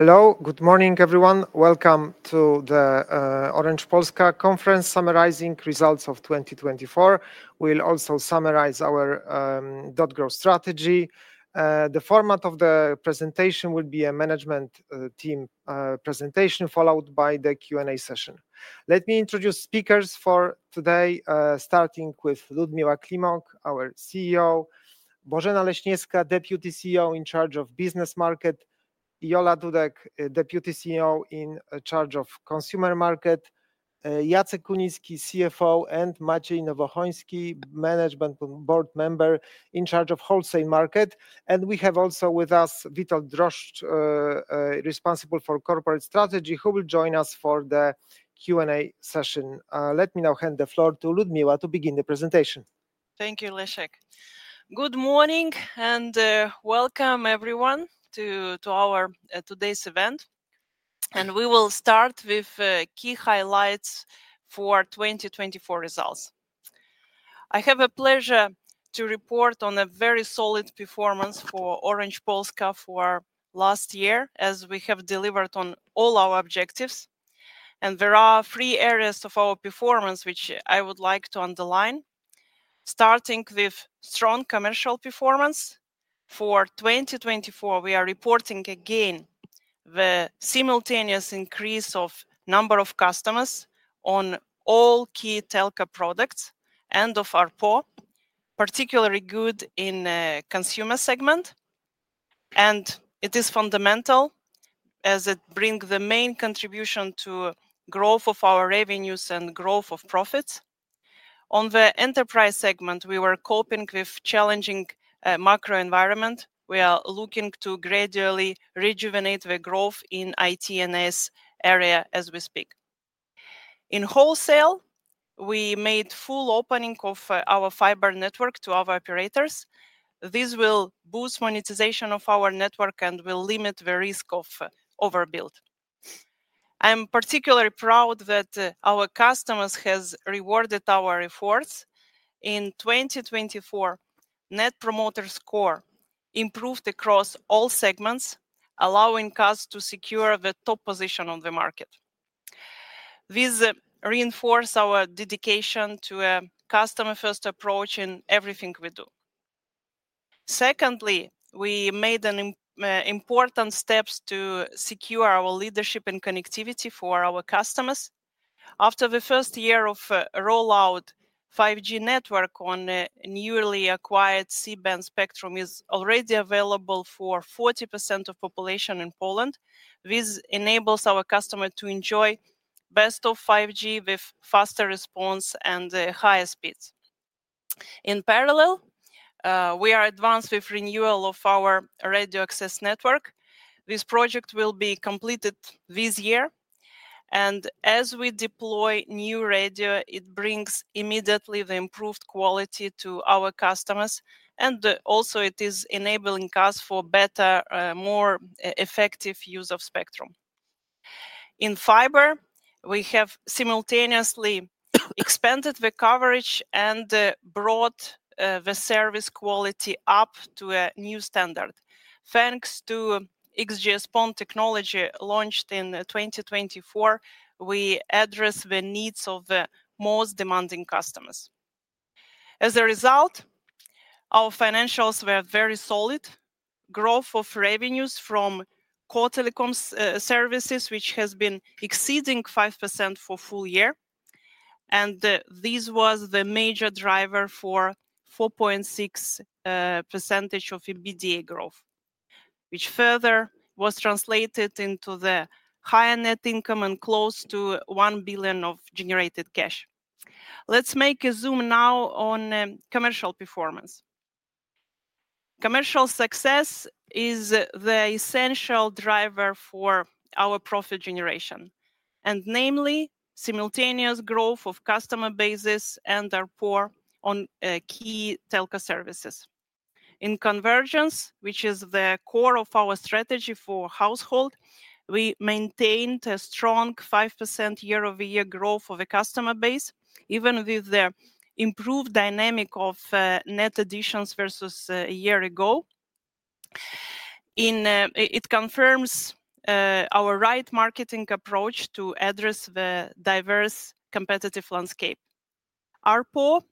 Hello, good morning everyone. Welcome to the Orange Polska Conference Summarizing Results of 2024. We'll also summarize our growth strategy. The format of the presentation will be a management team presentation followed by the Q&A session. Let me introduce speakers for today, starting with Liudmila Climoc, our CEO, Bożena Leśniewska, Deputy CEO in charge of Business Market, Jolanta Dudek, Deputy CEO in charge of Consumer Market, Jacek Kunicki, CFO, and Maciek Nowohoński, Management Board Member in charge of Wholesale Market. We have also with us Witold Drożdż, responsible for corporate strategy, who will join us for the Q&A session. Let me now hand the floor to Liudmila to begin the presentation. Thank you, Leszek. Good morning and welcome everyone to our today's event. And we will start with key highlights for 2024 results. I have a pleasure to report on a very solid performance for Orange Polska for last year, as we have delivered on all our objectives. And there are three areas of our performance which I would like to underline, starting with strong commercial performance. For 2024, we are reporting again the simultaneous increase of number of customers on all key telco products and of our ARPU, particularly good in the consumer segment. And it is fundamental, as it brings the main contribution to growth of our revenues and growth of profits. On the enterprise segment, we were coping with a challenging macro environment. We are looking to gradually rejuvenate the growth in the IT&S area as we speak. In wholesale, we made full opening of our fiber network to our operators. This will boost monetization of our network and will limit the risk of overbuild. I'm particularly proud that our customers have rewarded our efforts. In 2024, Net Promoter Score improved across all segments, allowing us to secure the top position on the market. This reinforced our dedication to a customer-first approach in everything we do. Secondly, we made important steps to secure our leadership and connectivity for our customers. After the first year of rollout, 5G network on the newly acquired C-band spectrum is already available for 40% of the population in Poland. This enables our customers to enjoy the best of 5G with faster response and higher speeds. In parallel, we are advanced with the renewal of our radio access network. This project will be completed this year. And as we deploy new radio, it brings immediately the improved quality to our customers. And also, it is enabling us for better, more effective use of the spectrum. In fiber, we have simultaneously expanded the coverage and brought the service quality up to a new standard. Thanks to XGS-PON technology launched in 2024, we address the needs of the most demanding customers. As a result, our financials were very solid. Growth of revenues from core telecom services, which has been exceeding 5% for the full year. And this was the major driver for a 4.6% percentage of EBITDA growth, which further was translated into the higher net income and close to 1 billion of generated cash. Let's make a zoom now on commercial performance. Commercial success is the essential driver for our profit generation, and namely simultaneous growth of customer bases and our ARPU on key telco services. In convergence, which is the core of our strategy for household, we maintained a strong 5% year-over-year growth of the customer base, even with the improved dynamic of net additions versus a year ago. It confirms our right marketing approach to address the diverse competitive landscape. Our ARPU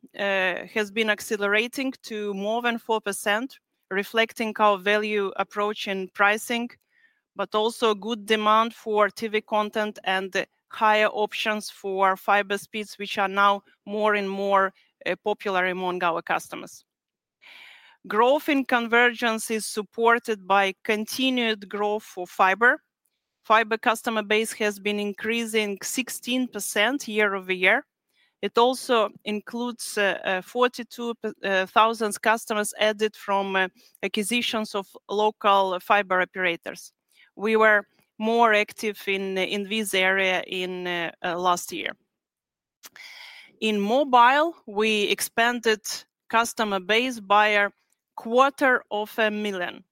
has been accelerating to more than 4%, reflecting our value approach in pricing, but also good demand for TV content and higher options for fiber speeds, which are now more and more popular among our customers. Growth in convergence is supported by continued growth for fiber. Fiber customer base has been increasing 16% year-over-year. It also includes 42,000 customers added from acquisitions of local fiber operators. We were more active in this area last year. In mobile, we expanded customer base by 250,000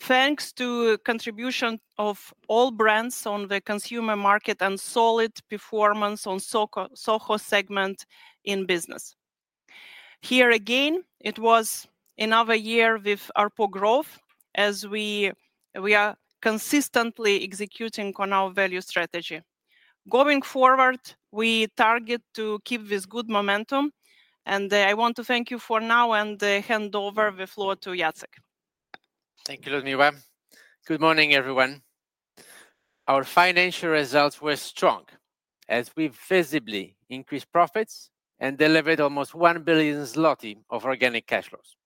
thanks to the contribution of all brands on the consumer market and solid performance on the SOHO segment in business. Here again, it was another year with our ARPU growth, as we are consistently executing on our value strategy. Going forward, we target to keep this good momentum, and I want to thank you for now and hand over the floor to Jacek. Thank you, Liudmila. Good morning, everyone. Our financial results were strong, as we visibly increased profits and delivered almost 1 billion zloty of organic cash flows.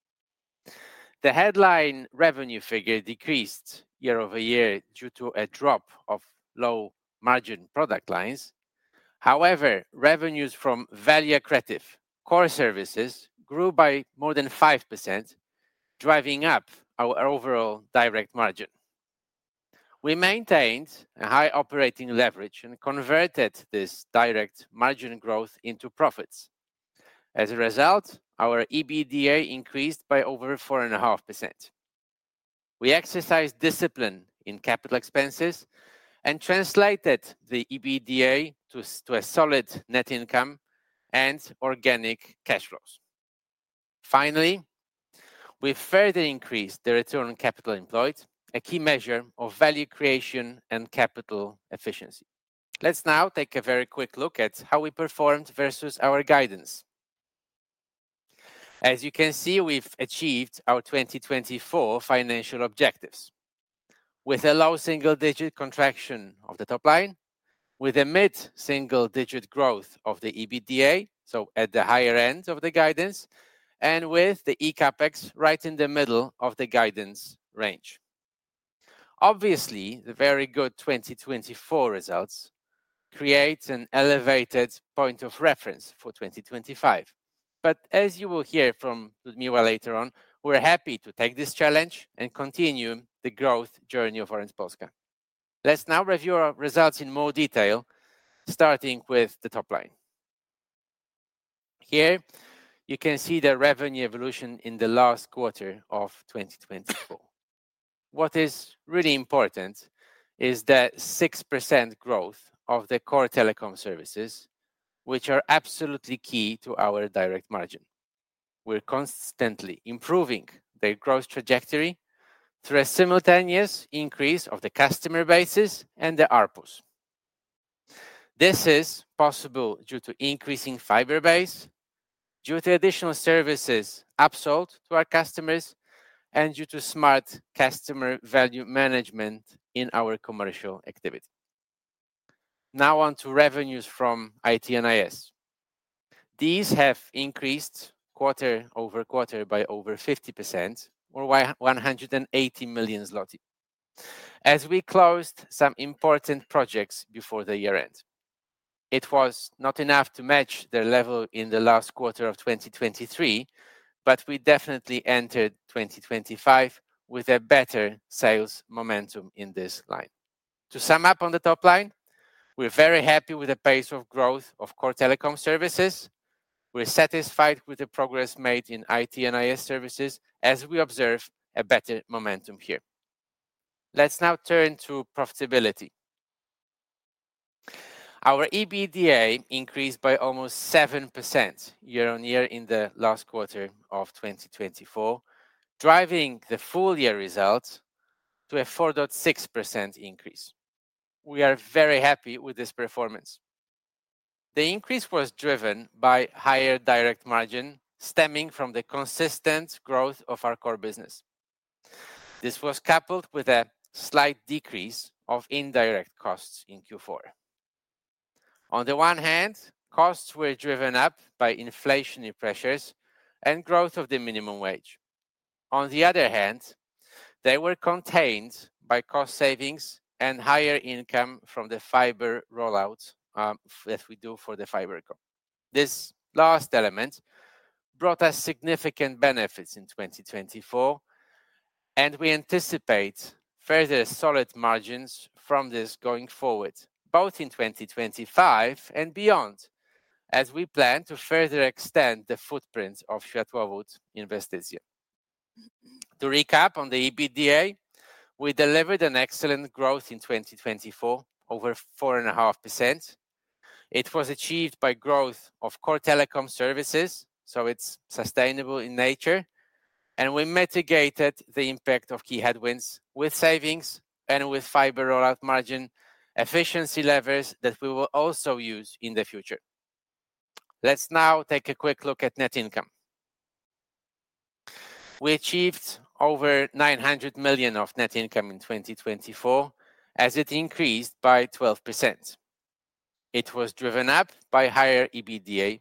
The headline revenue figure decreased year-over-year due to a drop of low-margin product lines. However, revenues from value-accretive core services grew by more than 5%, driving up our overall direct margin. We maintained a high operating leverage and converted this direct margin growth into profits. As a result, our EBITDA increased by over 4.5%. We exercised discipline in capital expenses and translated the EBITDA to a solid net income and organic cash flows. Finally, we further increased the return on capital employed, a key measure of value creation and capital efficiency. Let's now take a very quick look at how we performed versus our guidance. As you can see, we've achieved our 2024 financial objectives with a low single-digit contraction of the top line, with a mid-single-digit growth of the EBITDA, so at the higher end of the guidance, and with the eCapEx right in the middle of the guidance range. Obviously, the very good 2024 results create an elevated point of reference for 2025. But as you will hear from Liudmila later on, we're happy to take this challenge and continue the growth journey of Orange Polska. Let's now review our results in more detail, starting with the top line. Here you can see the revenue evolution in the last quarter of 2024. What is really important is the 6% growth of the core telecom services, which are absolutely key to our direct margin. We're constantly improving the growth trajectory through a simultaneous increase of the customer bases and the ARPUs. This is possible due to increasing fiber base, due to additional services upsold to our customers, and due to smart customer value management in our commercial activity. Now on to revenues from IT&S. These have increased quarter-over-quarter by over 50%, or 180 million zloty, as we closed some important projects before the year-end. It was not enough to match their level in the last quarter of 2023, but we definitely entered 2025 with a better sales momentum in this line. To sum up on the top line, we're very happy with the pace of growth of core telecom services. We're satisfied with the progress made in IT&S services, as we observe a better momentum here. Let's now turn to profitability. Our EBITDA increased by almost 7% year-on-year in the last quarter of 2024, driving the full-year results to a 4.6% increase. We are very happy with this performance. The increase was driven by higher direct margin stemming from the consistent growth of our core business. This was coupled with a slight decrease of indirect costs in Q4. On the one hand, costs were driven up by inflationary pressures and growth of the minimum wage. On the other hand, they were contained by cost savings and higher income from the fiber rollout that we do for the fiber company. This last element brought us significant benefits in 2024, and we anticipate further solid margins from this going forward, both in 2025 and beyond, as we plan to further extend the footprint of Światłowód Inwestycje. To recap on the EBITDA, we delivered an excellent growth in 2024, over 4.5%. It was achieved by growth of core telecom services, so it's sustainable in nature. We mitigated the impact of key headwinds with savings and with fiber rollout margin efficiency levers that we will also use in the future. Let's now take a quick look at net income. We achieved over 900 million of net income in 2024, as it increased by 12%. It was driven up by higher EBITDA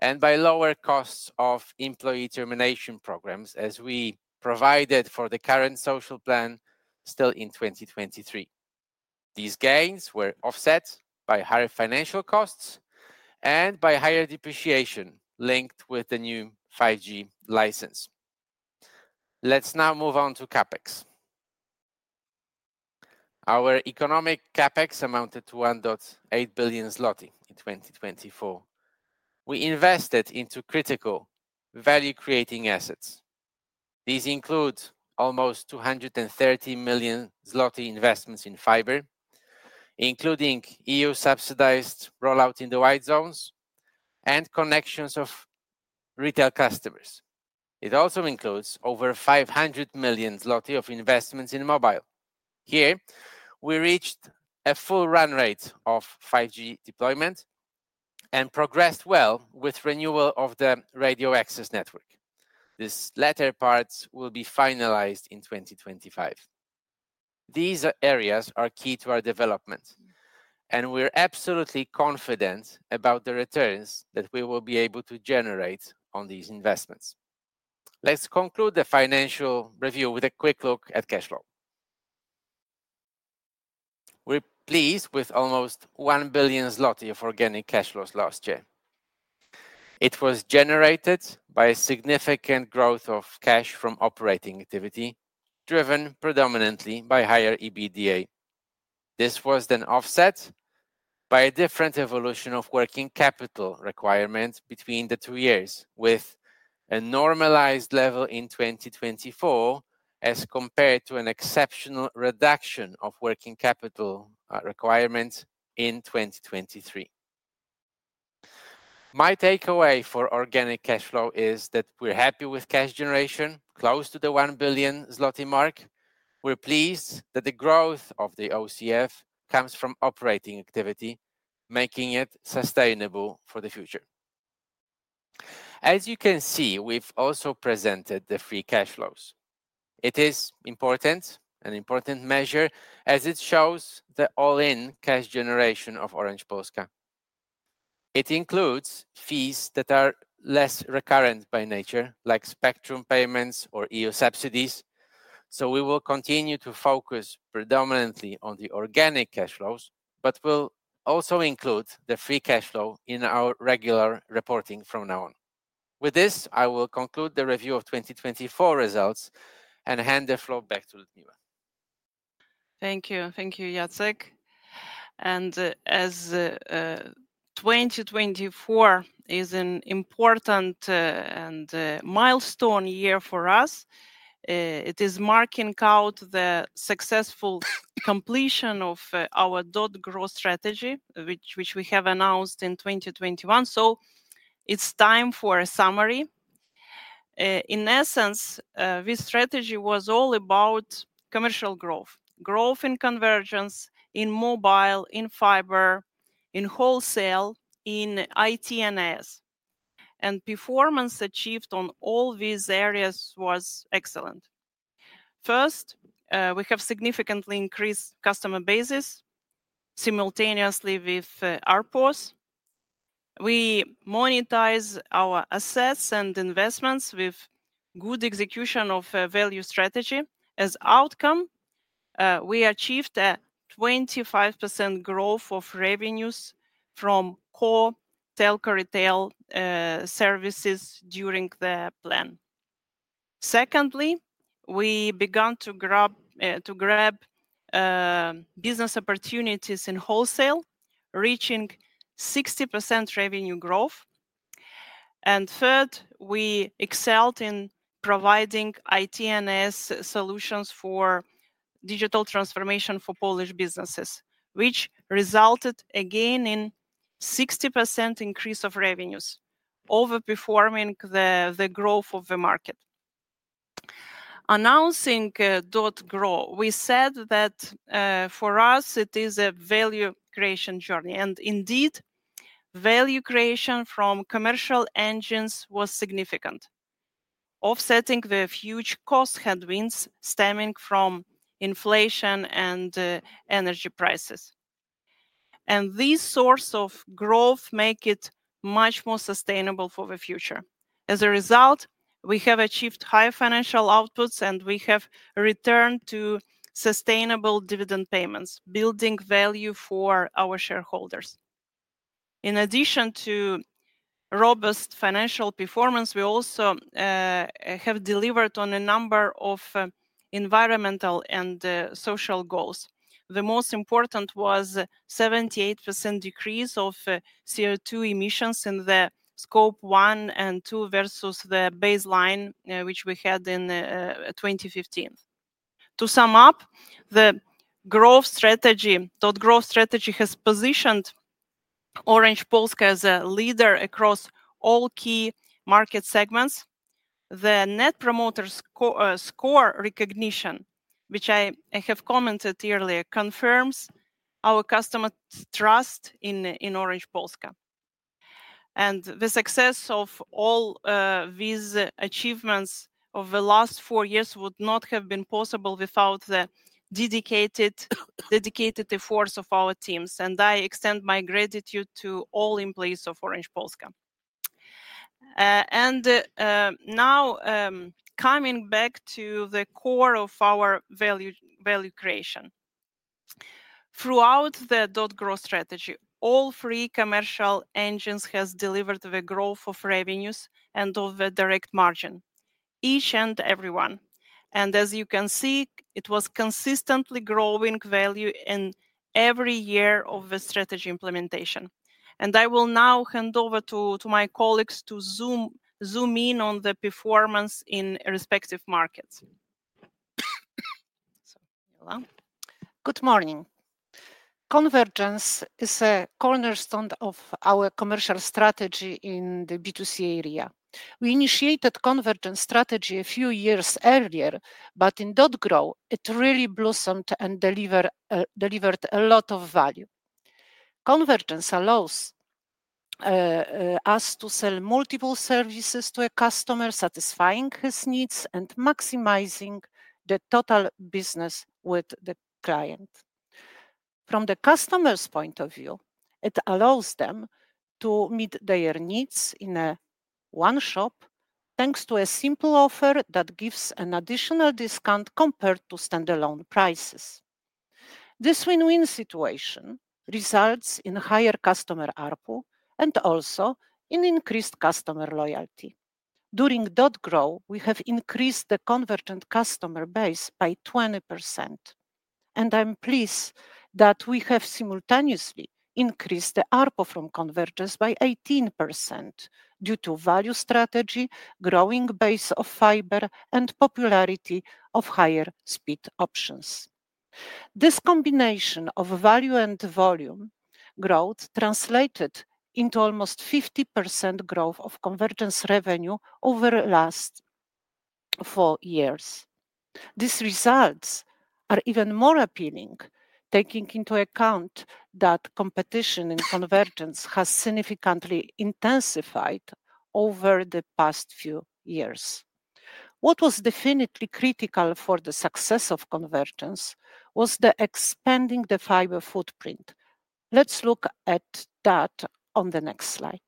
and by lower costs of employee termination programs, as we provided for the current social plan still in 2023. These gains were offset by higher financial costs and by higher depreciation linked with the new 5G license. Let's now move on to CapEx. Our economic CapEx amounted to 1.8 billion zloty in 2024. We invested into critical value-creating assets. These include almost 230 million zloty investments in fiber, including EU-subsidized rollout in the wide zones and connections of retail customers. It also includes over 500 million zloty of investments in mobile. Here, we reached a full run rate of 5G deployment and progressed well with renewal of the radio access network. This latter part will be finalized in 2025. These areas are key to our development, and we're absolutely confident about the returns that we will be able to generate on these investments. Let's conclude the financial review with a quick look at cash flow. We're pleased with almost 1 billion zloty of organic cash flows last year. It was generated by a significant growth of cash from operating activity, driven predominantly by higher EBITDA. This was then offset by a different evolution of working capital requirements between the two years, with a normalized level in 2024 as compared to an exceptional reduction of working capital requirements in 2023. My takeaway for organic cash flow is that we're happy with cash generation, close to the 1 billion zloty mark. We're pleased that the growth of the OCF comes from operating activity, making it sustainable for the future. As you can see, we've also presented the free cash flows. It is an important measure, as it shows the all-in cash generation of Orange Polska. It includes fees that are less recurrent by nature, like spectrum payments or EU subsidies. So we will continue to focus predominantly on the organic cash flows, but we'll also include the free cash flow in our regular reporting from now on. With this, I will conclude the review of 2024 results and hand the floor back to Liudmila. Thank you. Thank you, Jacek. And as 2024 is an important and milestone year for us, it is marking the successful completion of our .Grow strategy, which we have announced in 2021. So it's time for a summary. In essence, this strategy was all about commercial growth, growth in convergence, in mobile, in fiber, in wholesale, in IT&S. And performance achieved on all these areas was excellent. First, we have significantly increased customer bases simultaneously with ARPUs. We monetize our assets and investments with good execution of a value strategy. As outcome, we achieved a 25% growth of revenues from core telco retail services during the plan. Secondly, we began to grab business opportunities in wholesale, reaching 60% revenue growth. Third, we excelled in providing IT&S solutions for digital transformation for Polish businesses, which resulted again in a 60% increase of revenues, overperforming the growth of the market. Announcing .Grow, we said that for us, it is a value creation journey. Indeed, value creation from commercial engines was significant, offsetting the huge cost headwinds stemming from inflation and energy prices. These sources of growth make it much more sustainable for the future. As a result, we have achieved high financial outputs, and we have returned to sustainable dividend payments, building value for our shareholders. In addition to robust financial performance, we also have delivered on a number of environmental and social goals. The most important was a 78% decrease of CO2 emissions in the Scope 1 and 2 versus the baseline, which we had in 2015. To sum up, the .Grow strategy has positioned Orange Polska as a leader across all key market segments. The Net Promoter Score recognition, which I have commented earlier, confirms our customer trust in Orange Polska. The success of all these achievements of the last four years would not have been possible without the dedicated efforts of our teams. I extend my gratitude to all employees of Orange Polska. Now, coming back to the core of our value creation, throughout the .Grow strategy, all three commercial engines have delivered the growth of revenues and of the direct margin, each and every one. As you can see, it was consistently growing value in every year of the strategy implementation. I will now hand over to my colleagues to zoom in on the performance in respective markets. Good morning. Convergence is a cornerstone of our commercial strategy in the B2C area. We initiated convergence strategy a few years earlier, but in 2023, it really blossomed and delivered a lot of value. Convergence allows us to sell multiple services to a customer, satisfying his needs and maximizing the total business with the client. From the customer's point of view, it allows them to meet their needs in a one shop, thanks to a simple offer that gives an additional discount compared to standalone prices. This win-win situation results in higher customer ARPU and also in increased customer loyalty. During 2023, we have increased the convergent customer base by 20%. I'm pleased that we have simultaneously increased the ARPU from convergence by 18% due to value strategy, growing base of fiber, and popularity of higher speed options. This combination of value and volume growth translated into almost 50% growth of convergence revenue over the last four years. These results are even more appealing, taking into account that competition in convergence has significantly intensified over the past few years. What was definitely critical for the success of convergence was expanding the fiber footprint. Let's look at that on the next slide.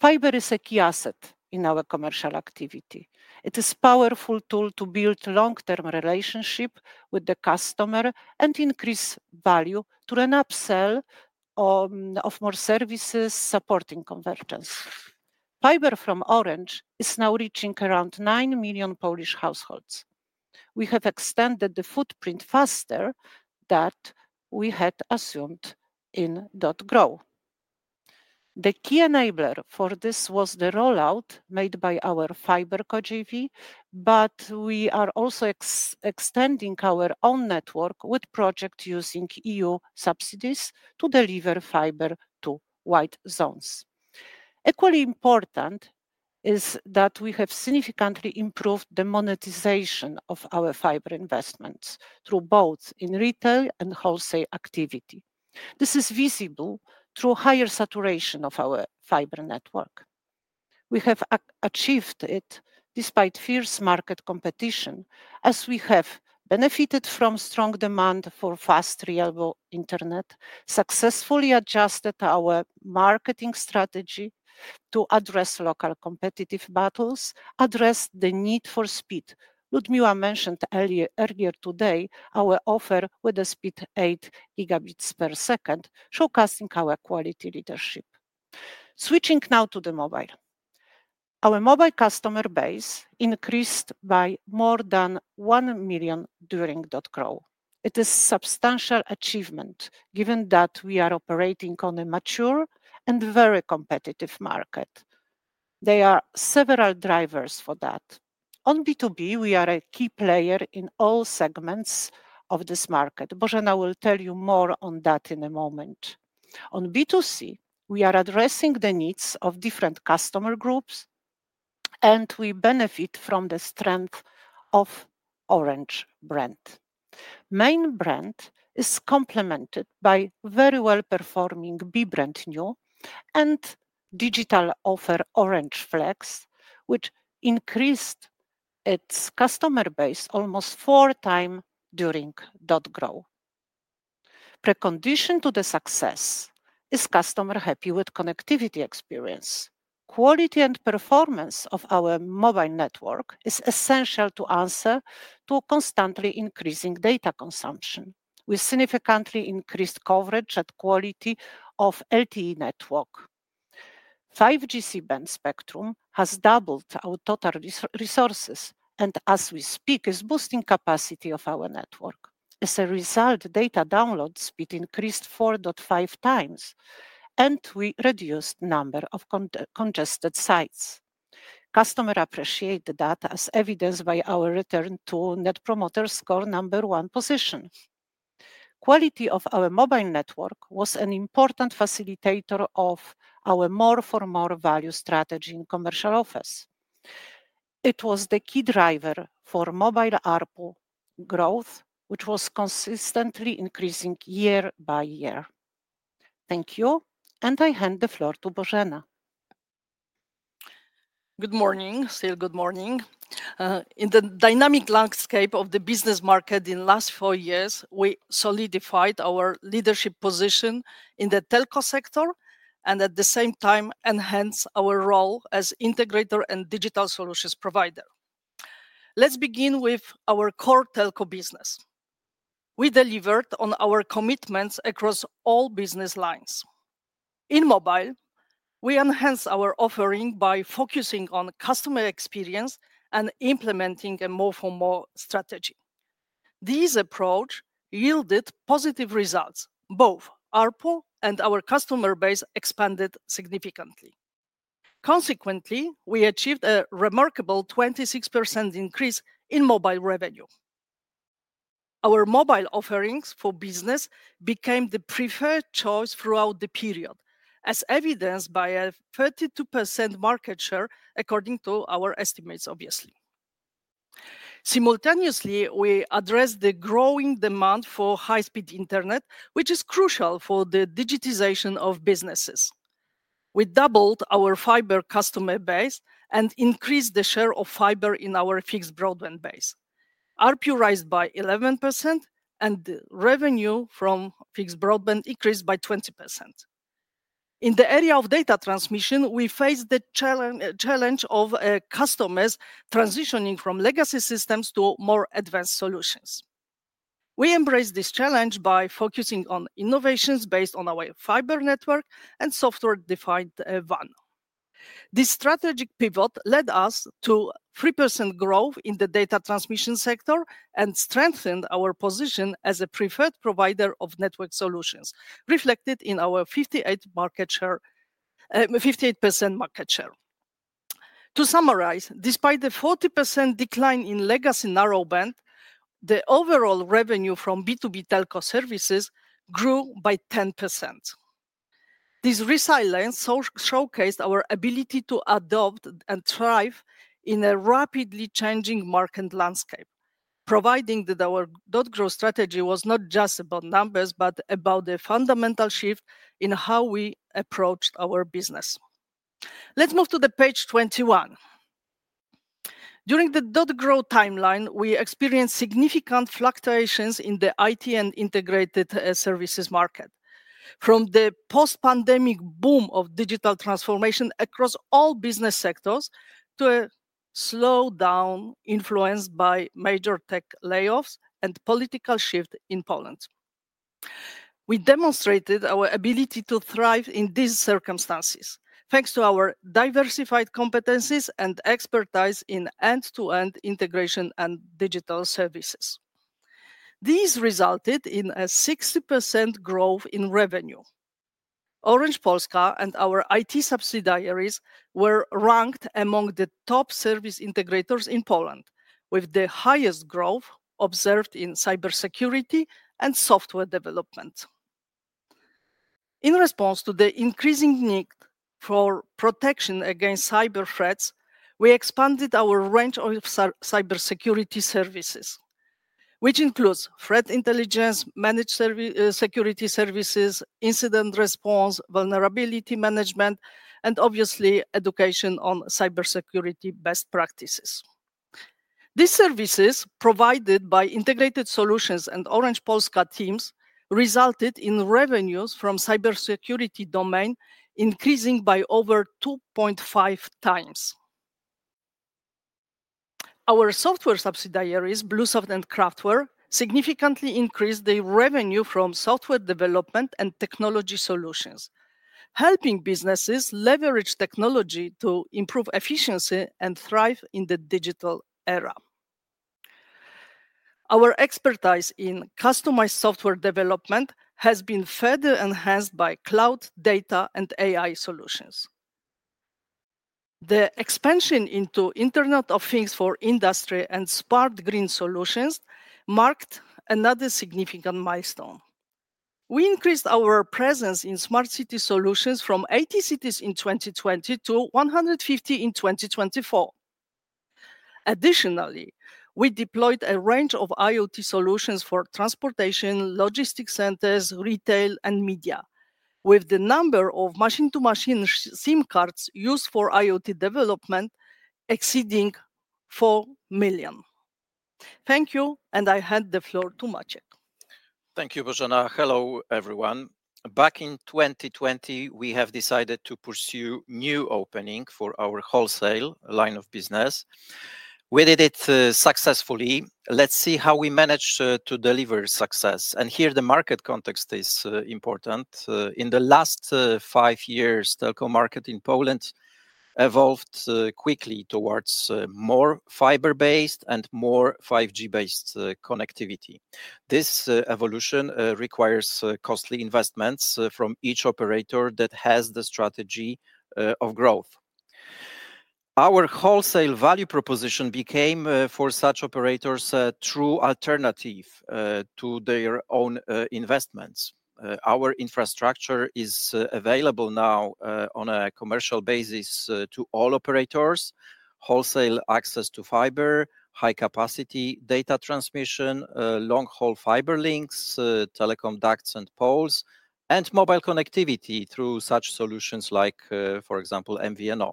Fiber is a key asset in our commercial activity. It is a powerful tool to build long-term relationships with the customer and increase value through an upsell of more services supporting convergence. Fiber from Orange is now reaching around nine million Polish households. We have extended the footprint faster than we had assumed in our growth. The key enabler for this was the rollout made by our FiberCo JV, but we are also extending our own network with projects using EU subsidies to deliver fiber to wide zones. Equally important is that we have significantly improved the monetization of our fiber investments through both in retail and wholesale activity. This is visible through higher saturation of our fiber network. We have achieved it despite fierce market competition, as we have benefited from strong demand for fast, reliable internet, successfully adjusted our marketing strategy to address local competitive battles, and addressed the need for speed. Liudmila mentioned earlier today our offer with a speed of eight gigabits per second, showcasing our quality leadership. Switching now to the mobile. Our mobile customer base increased by more than one million during .Grow. It is a substantial achievement given that we are operating on a mature and very competitive market. There are several drivers for that. On B2B, we are a key player in all segments of this market. Bożena will tell you more on that in a moment. On B2C, we are addressing the needs of different customer groups, and we benefit from the strength of Orange brand. Main brand is complemented by very well-performing Nju mobile and digital offer Orange Flex, which increased its customer base almost four times during the growth. Precondition to the success is customer happy with connectivity experience. Quality and performance of our mobile network is essential to answer to constantly increasing data consumption. We significantly increased coverage and quality of LTE network. 5G C-band spectrum has doubled our total resources, and as we speak, is boosting capacity of our network. As a result, data download speed increased four to five times, and we reduced the number of congested sites. Customers appreciate the data, as evidenced by our return to Net Promoter Score number one position. Quality of our mobile network was an important facilitator of our more-for-more value strategy in commercial offer. It was the key driver for mobile ARPU growth, which was consistently increasing year-by-year. Thank you, and I hand the floor to Bożena. Good morning. Still good morning. In the dynamic landscape of the business market in the last four years, we solidified our leadership position in the telco sector and at the same time enhanced our role as integrator and digital solutions provider. Let's begin with our core telco business. We delivered on our commitments across all business lines. In mobile, we enhanced our offering by focusing on customer experience and implementing a more-for-more strategy. This approach yielded positive results. Both ARPU and our customer base expanded significantly. Consequently, we achieved a remarkable 26% increase in mobile revenue. Our mobile offerings for business became the preferred choice throughout the period, as evidenced by a 32% market share, according to our estimates, obviously. Simultaneously, we addressed the growing demand for high-speed internet, which is crucial for the digitization of businesses. We doubled our fiber customer base and increased the share of fiber in our fixed broadband base. ARPU rose by 11%, and revenue from fixed broadband increased by 20%. In the area of data transmission, we faced the challenge of customers transitioning from legacy systems to more advanced solutions. We embraced this challenge by focusing on innovations based on our fiber network and software-defined WAN. This strategic pivot led us to 3% growth in the data transmission sector and strengthened our position as a preferred provider of network solutions, reflected in our 58% market share. To summarize, despite the 40% decline in legacy narrowband, the overall revenue from B2B telco services grew by 10%. This resilience showcased our ability to adopt and thrive in a rapidly changing market landscape, proving that our double growth strategy was not just about numbers, but about a fundamental shift in how we approached our business. Let's move to page 21. During the double growth timeline, we experienced significant fluctuations in the IT and integrated services market, from the post-pandemic boom of digital transformation across all business sectors to a slowdown influenced by major tech layoffs and political shift in Poland. We demonstrated our ability to thrive in these circumstances, thanks to our diversified competencies and expertise in end-to-end integration and digital services. This resulted in a 60% growth in revenue. Orange Polska and our IT subsidiaries were ranked among the top service integrators in Poland, with the highest growth observed in cybersecurity and software development. In response to the increasing need for protection against cyber threats, we expanded our range of cybersecurity services, which includes threat intelligence, managed security services, incident response, vulnerability management, and obviously, education on cybersecurity best practices. These services, provided by Integrated Solutions and Orange Polska teams, resulted in revenues from cybersecurity domain increasing by over 2.5 times. Our software subsidiaries, BlueSoft and Craftware, significantly increased the revenue from software development and technology solutions, helping businesses leverage technology to improve efficiency and thrive in the digital era. Our expertise in customized software development has been further enhanced by cloud, data, and AI solutions. The expansion into Internet of Things for industry and smart green solutions marked another significant milestone. We increased our presence in smart city solutions from 80 cities in 2020 to 150 in 2024. Additionally, we deployed a range of IoT solutions for transportation, logistics centers, retail, and media, with the number of machine-to-machine SIM cards used for IoT development exceeding four million. Thank you, and I hand the floor to Maciek. Thank you, Bożena. Hello, everyone. Back in 2020, we have decided to pursue a new opening for our wholesale line of business. We did it successfully. Let's see how we managed to deliver success. Here, the market context is important. In the last five years, the telco market in Poland evolved quickly towards more fiber-based and more 5G-based connectivity. This evolution requires costly investments from each operator that has the strategy of growth. Our wholesale value proposition became for such operators a true alternative to their own investments. Our infrastructure is available now on a commercial basis to all operators: wholesale access to fiber, high-capacity data transmission, long-haul fiber links, telecom ducts and poles, and mobile connectivity through such solutions like, for example, MVNO.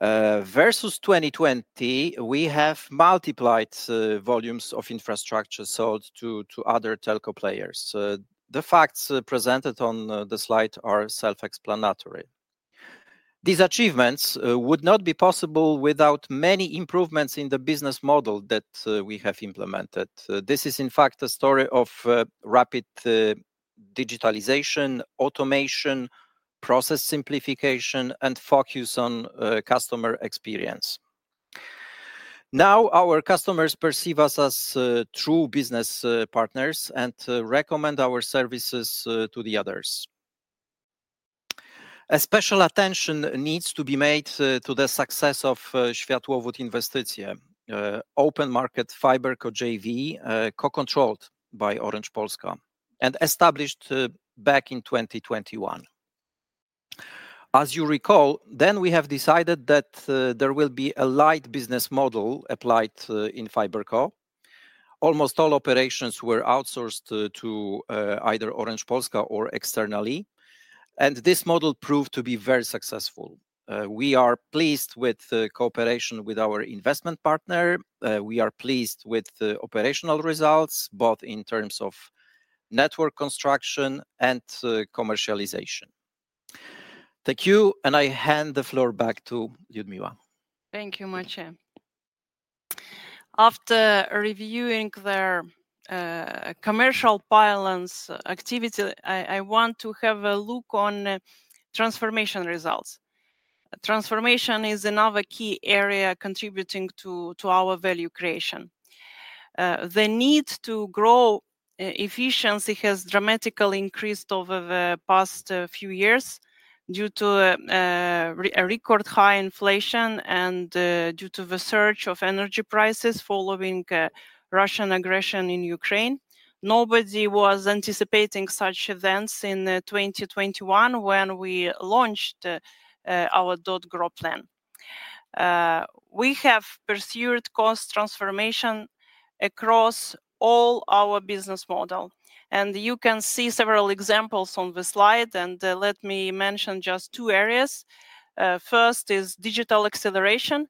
Versus 2020, we have multiplied volumes of infrastructure sold to other telco players. The facts presented on the slide are self-explanatory. These achievements would not be possible without many improvements in the business model that we have implemented. This is, in fact, a story of rapid digitalization, automation, process simplification, and focus on customer experience. Now, our customers perceive us as true business partners and recommend our services to the others. A special attention needs to be made to the success of Światłowód Inwestycje, open-market FiberCo JV co-controlled by Orange Polska and established back in 2021. As you recall, then we have decided that there will be a light business model applied in fiber co. Almost all operations were outsourced to either Orange Polska or externally, and this model proved to be very successful. We are pleased with the cooperation with our investment partner. We are pleased with the operational results, both in terms of network construction and commercialization. Thank you, and I hand the floor back to Liudmila. Thank you, Maciek. After reviewing their commercial pilot activity, I want to have a look on transformation results. Transformation is another key area contributing to our value creation. The need to grow efficiency has dramatically increased over the past few years due to a record high inflation and due to the surge of energy prices following Russian aggression in Ukraine. Nobody was anticipating such events in 2021 when we launched our .Grow plan. We have pursued cost transformation across all our business models, and you can see several examples on the slide. And let me mention just two areas. First is digital acceleration.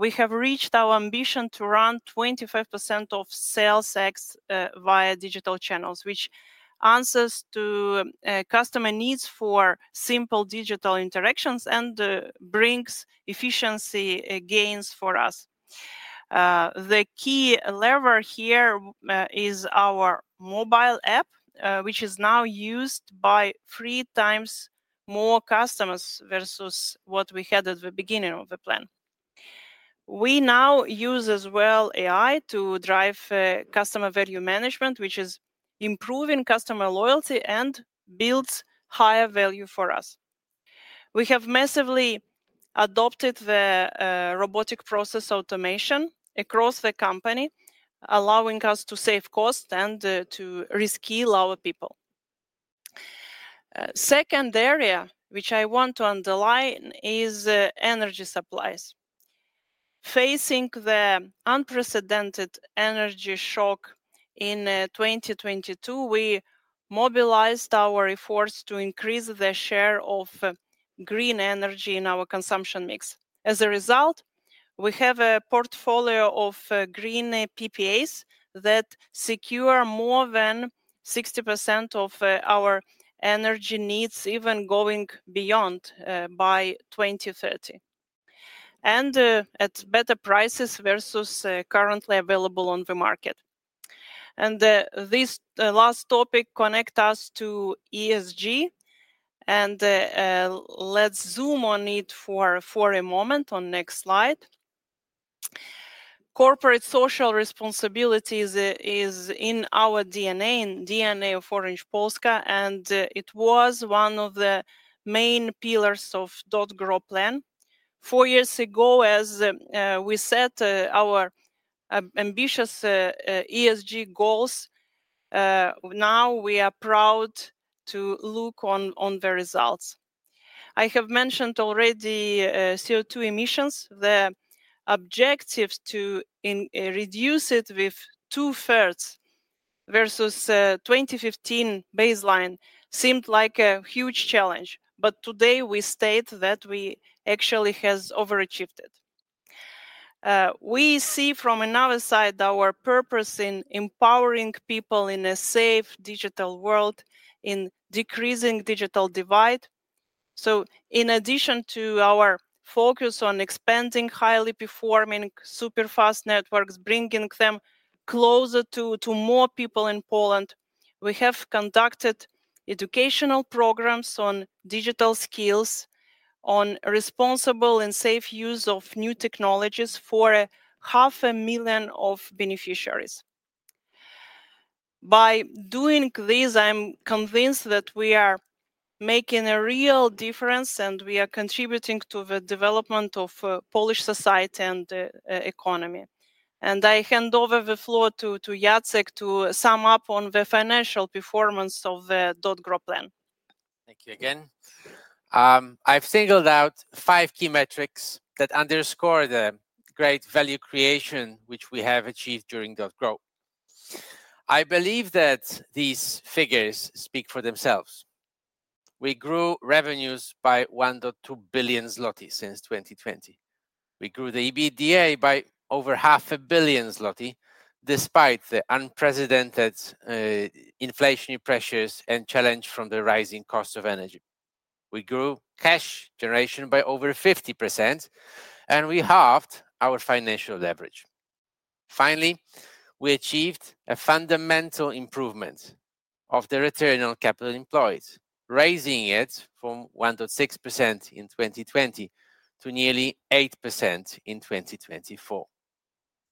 We have reached our ambition to run 25% of sales via digital channels, which answers to customer needs for simple digital interactions and brings efficiency gains for us. The key lever here is our mobile app, which is now used by three times more customers versus what we had at the beginning of the plan. We now use as well AI to drive customer value management, which is improving customer loyalty and builds higher value for us. We have massively adopted the robotic process automation across the company, allowing us to save costs and to reskill our people. The second area which I want to underline is energy supplies. Facing the unprecedented energy shock in 2022, we mobilized our efforts to increase the share of green energy in our consumption mix. As a result, we have a portfolio of green PPAs that secure more than 60% of our energy needs, even going beyond by 2030, and at better prices versus currently available on the market. This last topic connects us to ESG, and let's zoom on it for a moment on the next slide. Corporate social responsibility is in our DNA and DNA of Orange Polska, and it was one of the main pillars of the .Grow plan. Four years ago, as we set our ambitious ESG goals, now we are proud to look on the results. I have mentioned already CO2 emissions. The objective to reduce it with two-thirds versus the 2015 baseline seemed like a huge challenge, but today we state that we actually have overachieved it. We see from another side our purpose in empowering people in a safe digital world, in decreasing the digital divide. In addition to our focus on expanding highly performing super-fast networks, bringing them closer to more people in Poland, we have conducted educational programs on digital skills, on responsible and safe use of new technologies for 500,000 beneficiaries. By doing this, I'm convinced that we are making a real difference and we are contributing to the development of Polish society and the economy, and I hand over the floor to Jacek to sum up on the financial performance of the growth plan. Thank you again. I've singled out five key metrics that underscore the great value creation which we have achieved during our growth. I believe that these figures speak for themselves. We grew revenues by 1.2 billion zloty since 2020. We grew the EBITDA by over 500 million zloty despite the unprecedented inflationary pressures and challenges from the rising cost of energy. We grew cash generation by over 50%, and we halved our financial leverage. Finally, we achieved a fundamental improvement of the return on capital employed, raising it from 1.6% in 2020 to nearly 8% in 2024.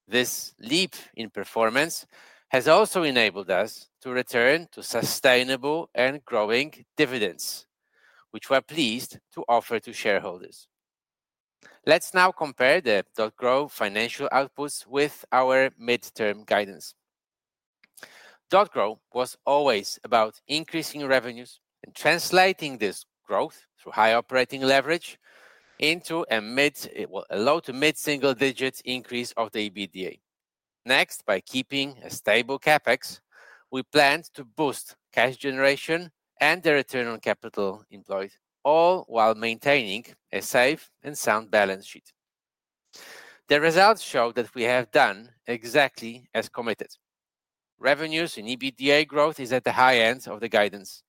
This leap in performance has also enabled us to return to sustainable and growing dividends, which we're pleased to offer to shareholders. Let's now compare our growth financial outputs with our mid-term guidance. .Grow was always about increasing revenues and translating this growth through high operating leverage into a mid-to-mid-single-digit increase of the EBITDA. Next, by keeping a stable CapEx, we planned to boost cash generation and the return on capital employed, all while maintaining a safe and sound balance sheet. The results show that we have done exactly as committed. Revenues in EBITDA growth are at the high end of the guidance.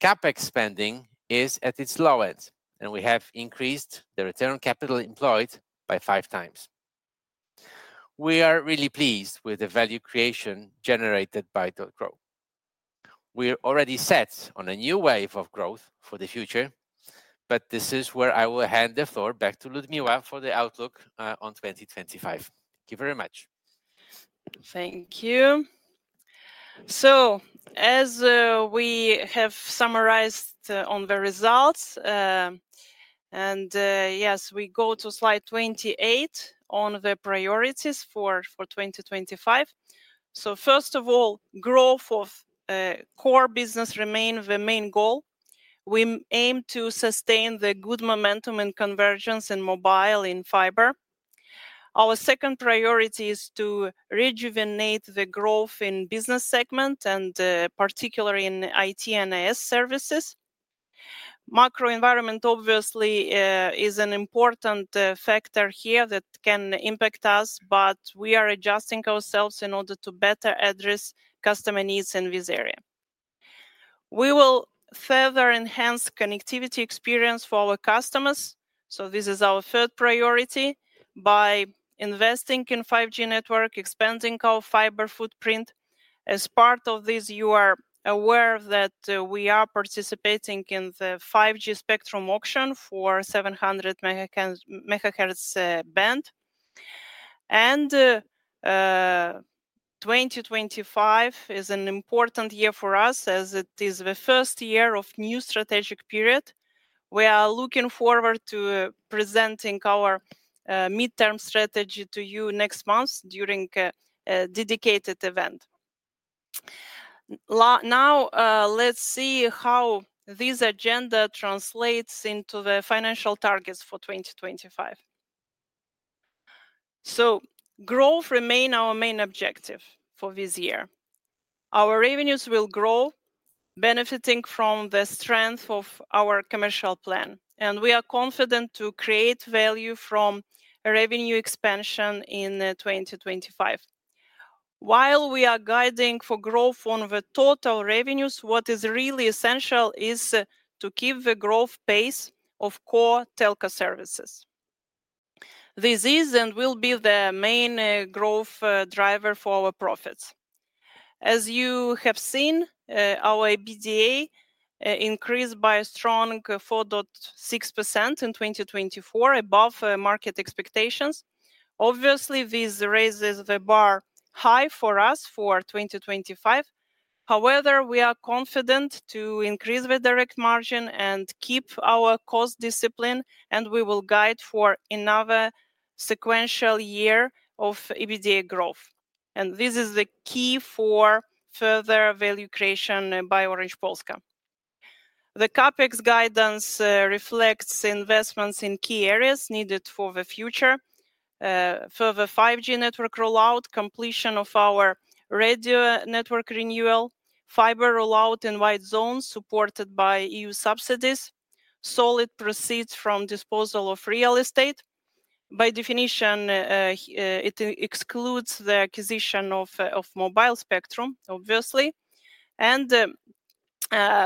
CapEx spending is at its low end, and we have increased the return on capital employed by five times. We are really pleased with the value creation generated by .Grow. We are already set on a new wave of growth for the future, but this is where I will hand the floor back to Liudmila for the outlook on 2025. Thank you very much. Thank you. So, as we have summarized on the results, and yes, we go to slide 28 on the priorities for 2025. So, first of all, growth of core business remains the main goal. We aim to sustain the good momentum in convergence and mobile in fiber. Our second priority is to rejuvenate the growth in the business segment, and particularly in IT&S services. Macro environment, obviously, is an important factor here that can impact us, but we are adjusting ourselves in order to better address customer needs in this area. We will further enhance the connectivity experience for our customers. So, this is our third priority by investing in 5G networks, expanding our fiber footprint. As part of this, you are aware that we are participating in the 5G spectrum auction for the 700 MHz band. 2025 is an important year for us, as it is the first year of a new strategic period. We are looking forward to presenting our midterm strategy to you next month during a dedicated event. Now, let's see how this agenda translates into the financial targets for 2025. Growth remains our main objective for this year. Our revenues will grow, benefiting from the strength of our commercial plan, and we are confident to create value from revenue expansion in 2025. While we are guiding for growth on the total revenues, what is really essential is to keep the growth pace of core telco services. This is and will be the main growth driver for our profits. As you have seen, our EBITDA increased by a strong 4.6% in 2024, above market expectations. Obviously, this raises the bar high for us for 2025. However, we are confident to increase the direct margin and keep our cost discipline, and we will guide for another sequential year of EBITDA growth. And this is the key for further value creation by Orange Polska. The CapEx guidance reflects investments in key areas needed for the future: further 5G network rollout, completion of our radio network renewal, fiber rollout in white zones supported by EU subsidies, solid proceeds from disposal of real estate. By definition, it excludes the acquisition of mobile spectrum, obviously. And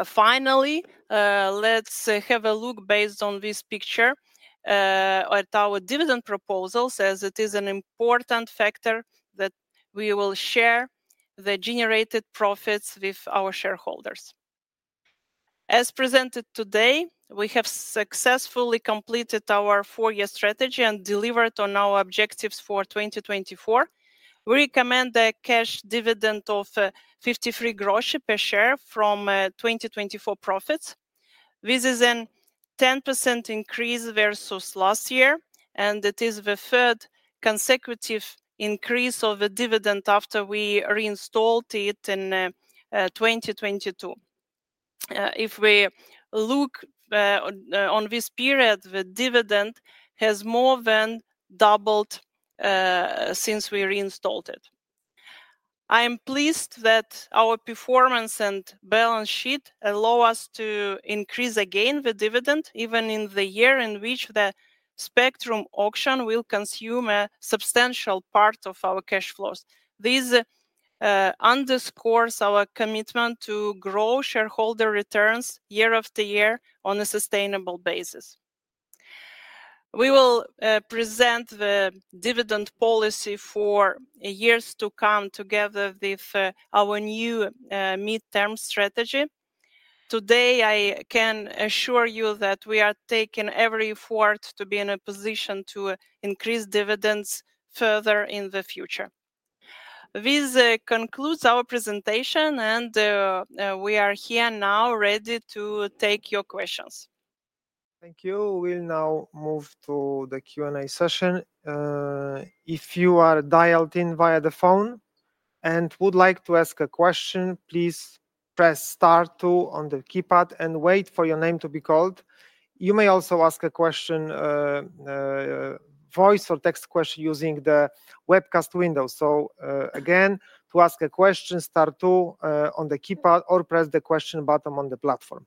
finally, let's have a look based on this picture at our dividend proposals, as it is an important factor that we will share the generated profits with our shareholders. As presented today, we have successfully completed our four-year strategy and delivered on our objectives for 2024. We recommend a cash dividend of 0.53 per share from 2024 profits. This is a 10% increase versus last year, and it is the third consecutive increase of the dividend after we reinstalled it in 2022. If we look on this period, the dividend has more than doubled since we reinstalled it. I am pleased that our performance and balance sheet allow us to increase again the dividend, even in the year in which the spectrum auction will consume a substantial part of our cash flows. This underscores our commitment to grow shareholder returns year after year on a sustainable basis. We will present the dividend policy for years to come together with our new midterm strategy. Today, I can assure you that we are taking every effort to be in a position to increase dividends further in the future. This concludes our presentation, and we are here now ready to take your questions. Thank you. We'll now move to the Q&A session. If you are dialed in via the phone and would like to ask a question, please press star two on the keypad and wait for your name to be called. You may also ask a question, voice or text question using the webcast window. So again, to ask a question, star two on the keypad or press the question button on the platform.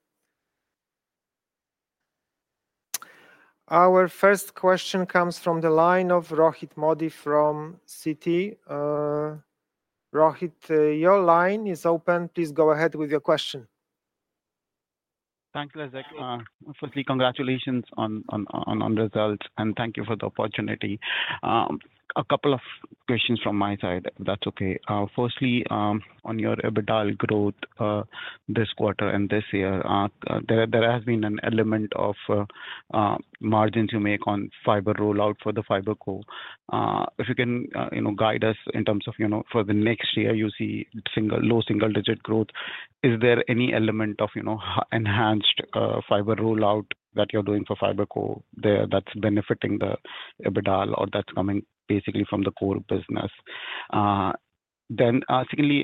Our first question comes from the line of Rohit Modi from Citi. Rohit, your line is open. Please go ahead with your question. Thank you, Leszek. Firstly, congratulations on the results, and thank you for the opportunity. A couple of questions from my side, if that's okay. Firstly, on your EBITDA growth this quarter and this year, there has been an element of margins you make on fiber rollout for the FiberCo. If you can guide us in terms of for the next year, you see low single-digit growth. Is there any element of enhanced fiber rollout that you're doing for FiberCo there that's benefiting the EBITDA or that's coming basically from the core business? Then secondly,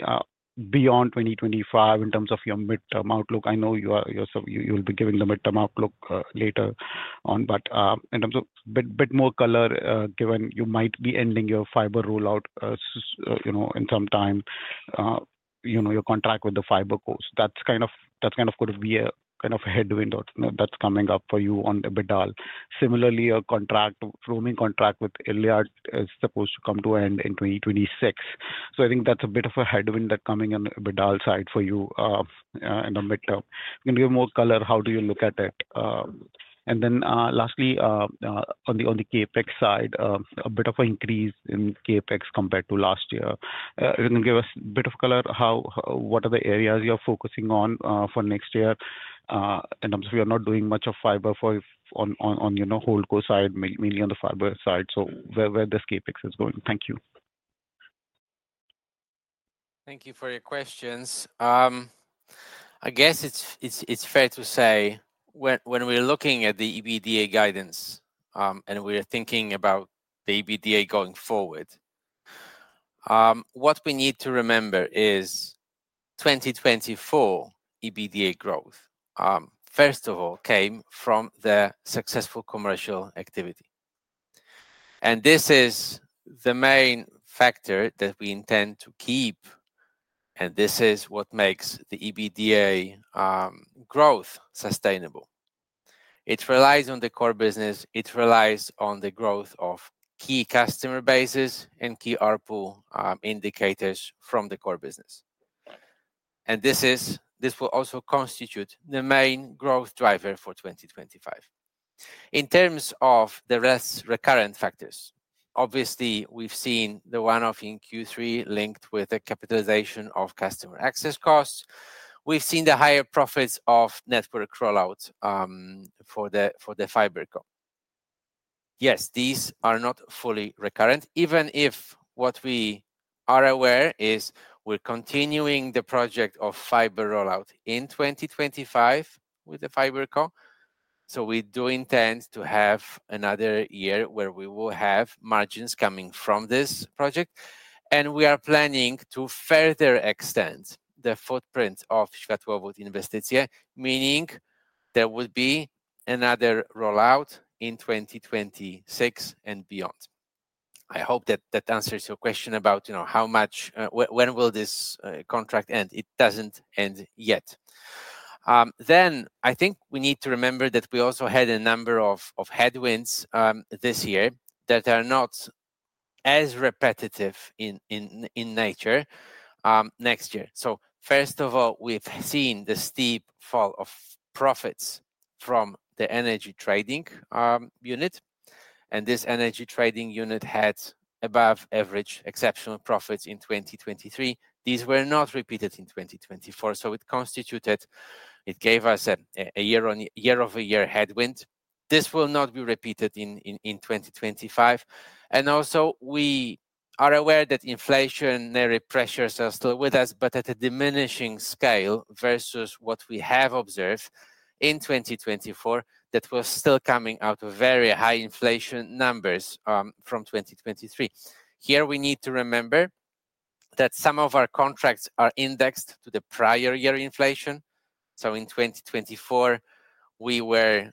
beyond 2025, in terms of your midterm outlook, I know you'll be giving the midterm outlook later on, but in terms of a bit more color, given you might be ending your fiber rollout in some time, your contract with the FiberCo's, that's kind of could be a kind of headwind that's coming up for you on EBITDA. Similarly, a roaming contract with Iliad is supposed to come to an end in 2026. So I think that's a bit of a headwind that's coming on the EBITDA side for you in the midterm. You can give more color, how do you look at it? And then lastly, on the CapEx side, a bit of an increase in CapEx compared to last year. You can give us a bit of color, what are the areas you're focusing on for next year in terms of you're not doing much of fiber on the whole core side, mainly on the fiber side, so where this CapEx is going? Thank you. Thank you for your questions. I guess it's fair to say when we're looking at the EBITDA guidance and we're thinking about the EBITDA going forward, what we need to remember is 2024 EBITDA growth, first of all, came from the successful commercial activity. And this is the main factor that we intend to keep, and this is what makes the EBITDA growth sustainable. It relies on the core business. It relies on the growth of key customer bases and key ARPU indicators from the core business. And this will also constitute the main growth driver for 2025. In terms of the other recurrent factors, obviously, we've seen the one of in Q3 linked with the capitalization of customer access costs. We've seen the higher profits of network rollout for the FiberCo. Yes, these are not fully recurrent, even if what we are aware is we're continuing the project of fiber rollout in 2025 with the FiberCo. So we do intend to have another year where we will have margins coming from this project. And we are planning to further extend the footprint of Światłowód Inwestycje, meaning there would be another rollout in 2026 and beyond. I hope that answers your question about how much when will this contract end. It doesn't end yet. Then I think we need to remember that we also had a number of headwinds this year that are not as repetitive in nature next year. So first of all, we've seen the steep fall of profits from the energy trading unit. And this energy trading unit had above-average exceptional profits in 2023. These were not repeated in 2024. It constituted; it gave us a year-over-year headwind. This will not be repeated in 2025. And also, we are aware that inflationary pressures are still with us, but at a diminishing scale versus what we have observed in 2024, that was still coming out of very high inflation numbers from 2023. Here we need to remember that some of our contracts are indexed to the prior year inflation. So in 2024, we were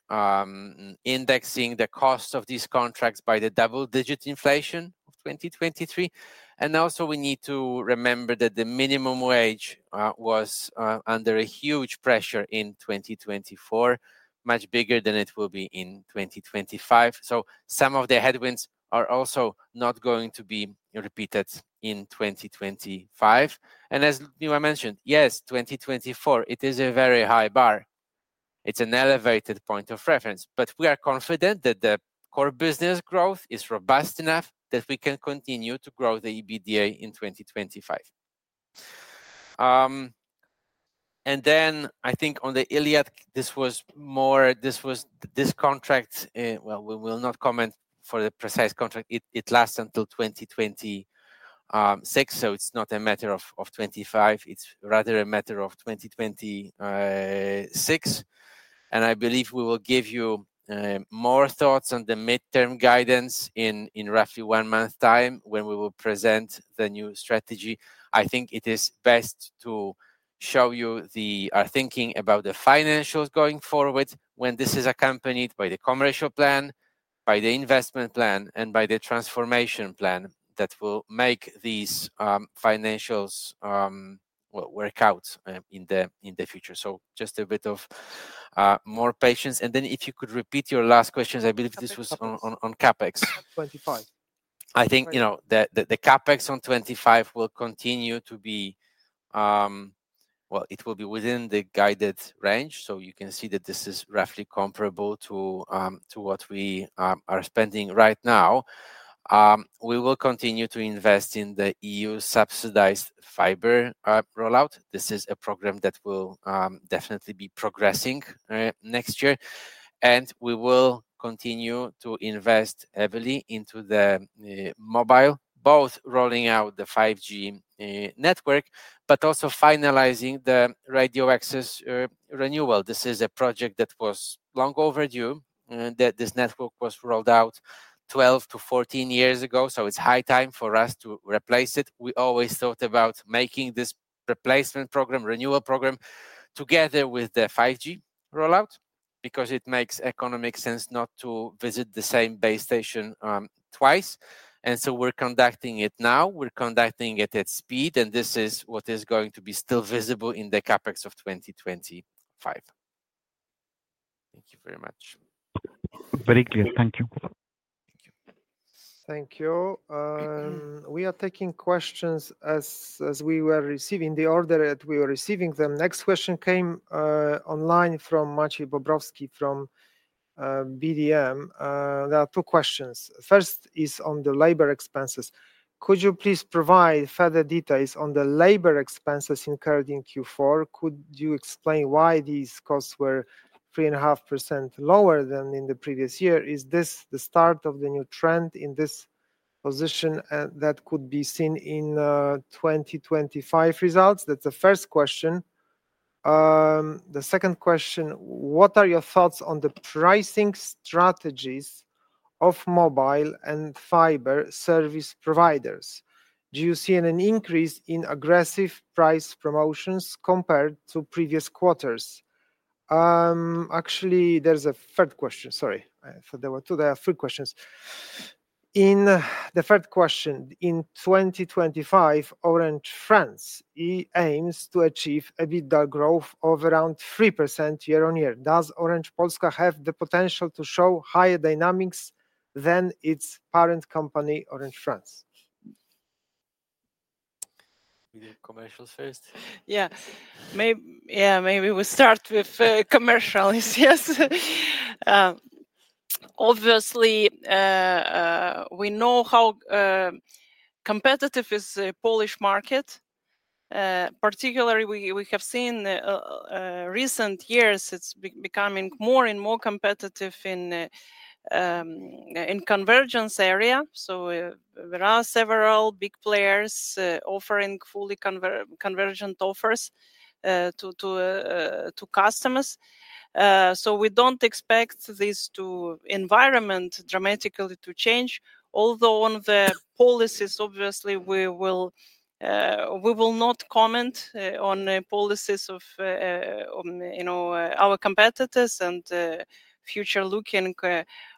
indexing the cost of these contracts by the double-digit inflation of 2023. And also, we need to remember that the minimum wage was under a huge pressure in 2024, much bigger than it will be in 2025. So some of the headwinds are also not going to be repeated in 2025. And as Liudmila mentioned, yes, 2024; it is a very high bar. It's an elevated point of reference, but we are confident that the core business growth is robust enough that we can continue to grow the EBITDA in 2025, and then I think on the Iliad, this was more this contract, well, we will not comment for the precise contract. It lasts until 2026, so it's not a matter of 2025. It's rather a matter of 2026, and I believe we will give you more thoughts on the midterm guidance in roughly one month's time when we will present the new strategy. I think it is best to show you the thinking about the financials going forward when this is accompanied by the commercial plan, by the investment plan, and by the transformation plan that will make these financials work out in the future, so just a bit of more patience. And then if you could repeat your last questions, I believe this was on CapEx. 2025. I think the CapEx on 2025 will continue to be, well, it will be within the guided range, so you can see that this is roughly comparable to what we are spending right now. We will continue to invest in the EU-subsidized fiber rollout. This is a program that will definitely be progressing next year, and we will continue to invest heavily into the mobile, both rolling out the 5G network, but also finalizing the radio access renewal. This is a project that was long overdue, that this network was rolled out 12-14 years ago. So it's high time for us to replace it. We always thought about making this replacement program, renewal program, together with the 5G rollout because it makes economic sense not to visit the same base station twice, and so we're conducting it now. We're conducting it at speed, and this is what is going to be still visible in the CapEx of 2025. Thank you very much. Very clear. Thank you. Thank you. We are taking questions as we were receiving the order that we were receiving them. Next question came online from Maciej Bobrowski from BDM. There are two questions. First is on the labor expenses. Could you please provide further details on the labor expenses incurred in Q4? Could you explain why these costs were 3.5% lower than in the previous year? Is this the start of the new trend in this position that could be seen in 2025 results? That's the first question. The second question, what are your thoughts on the pricing strategies of mobile and fiber service providers? Do you see an increase in aggressive price promotions compared to previous quarters? Actually, there's a third question. Sorry, I thought there were two. There are three questions. In the third question, in 2025, Orange France aims to achieve EBITDA growth of around 3% year on year. Does Orange Polska have the potential to show higher dynamics than its parent company, Orange France? We did commercials first. Yeah. Yeah, maybe we start with commercial, yes. Obviously, we know how competitive is the Polish market. Particularly, we have seen in recent years, it's becoming more and more competitive in the convergence area. So there are several big players offering fully convergent offers to customers. So we don't expect this environment dramatically to change. Although on the policies, obviously, we will not comment on the policies of our competitors and forward-looking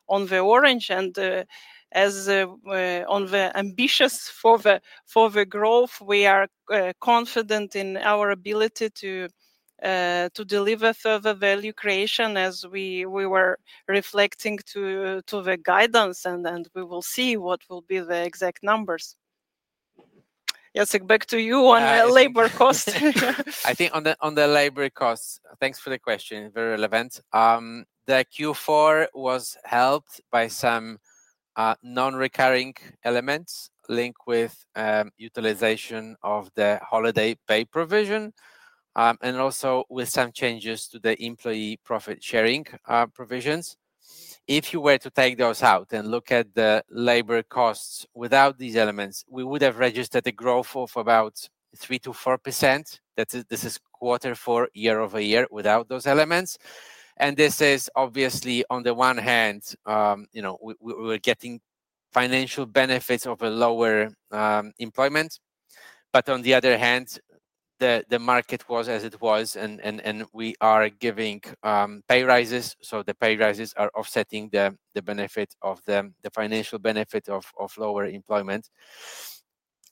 on Orange. And as for the ambitions for the growth, we are confident in our ability to deliver further value creation as we were referring to the guidance, and we will see what will be the exact numbers. Jacek, back to you on labor costs. I think on the labor costs, thanks for the question. Very relevant. The Q4 was helped by some non-recurring elements linked with utilization of the holiday pay provision and also with some changes to the employee profit sharing provisions. If you were to take those out and look at the labor costs without these elements, we would have registered a growth of about 3%-4%. This is quarter four year-over-year without those elements, and this is obviously, on the one hand, we were getting financial benefits of a lower employment, but on the other hand, the market was as it was, and we are giving pay rises, so the pay rises are offsetting the benefit of the financial benefit of lower employment.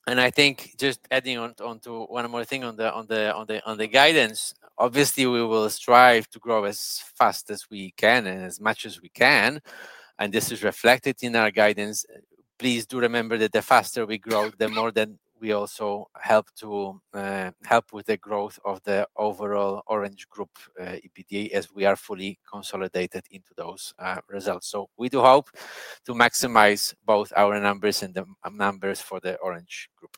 And I think just adding on to one more thing on the guidance, obviously, we will strive to grow as fast as we can and as much as we can. And this is reflected in our guidance. Please do remember that the faster we grow, the more that we also help with the growth of the overall Orange Group EBITDA as we are fully consolidated into those results. So we do hope to maximize both our numbers and the numbers for the Orange Group.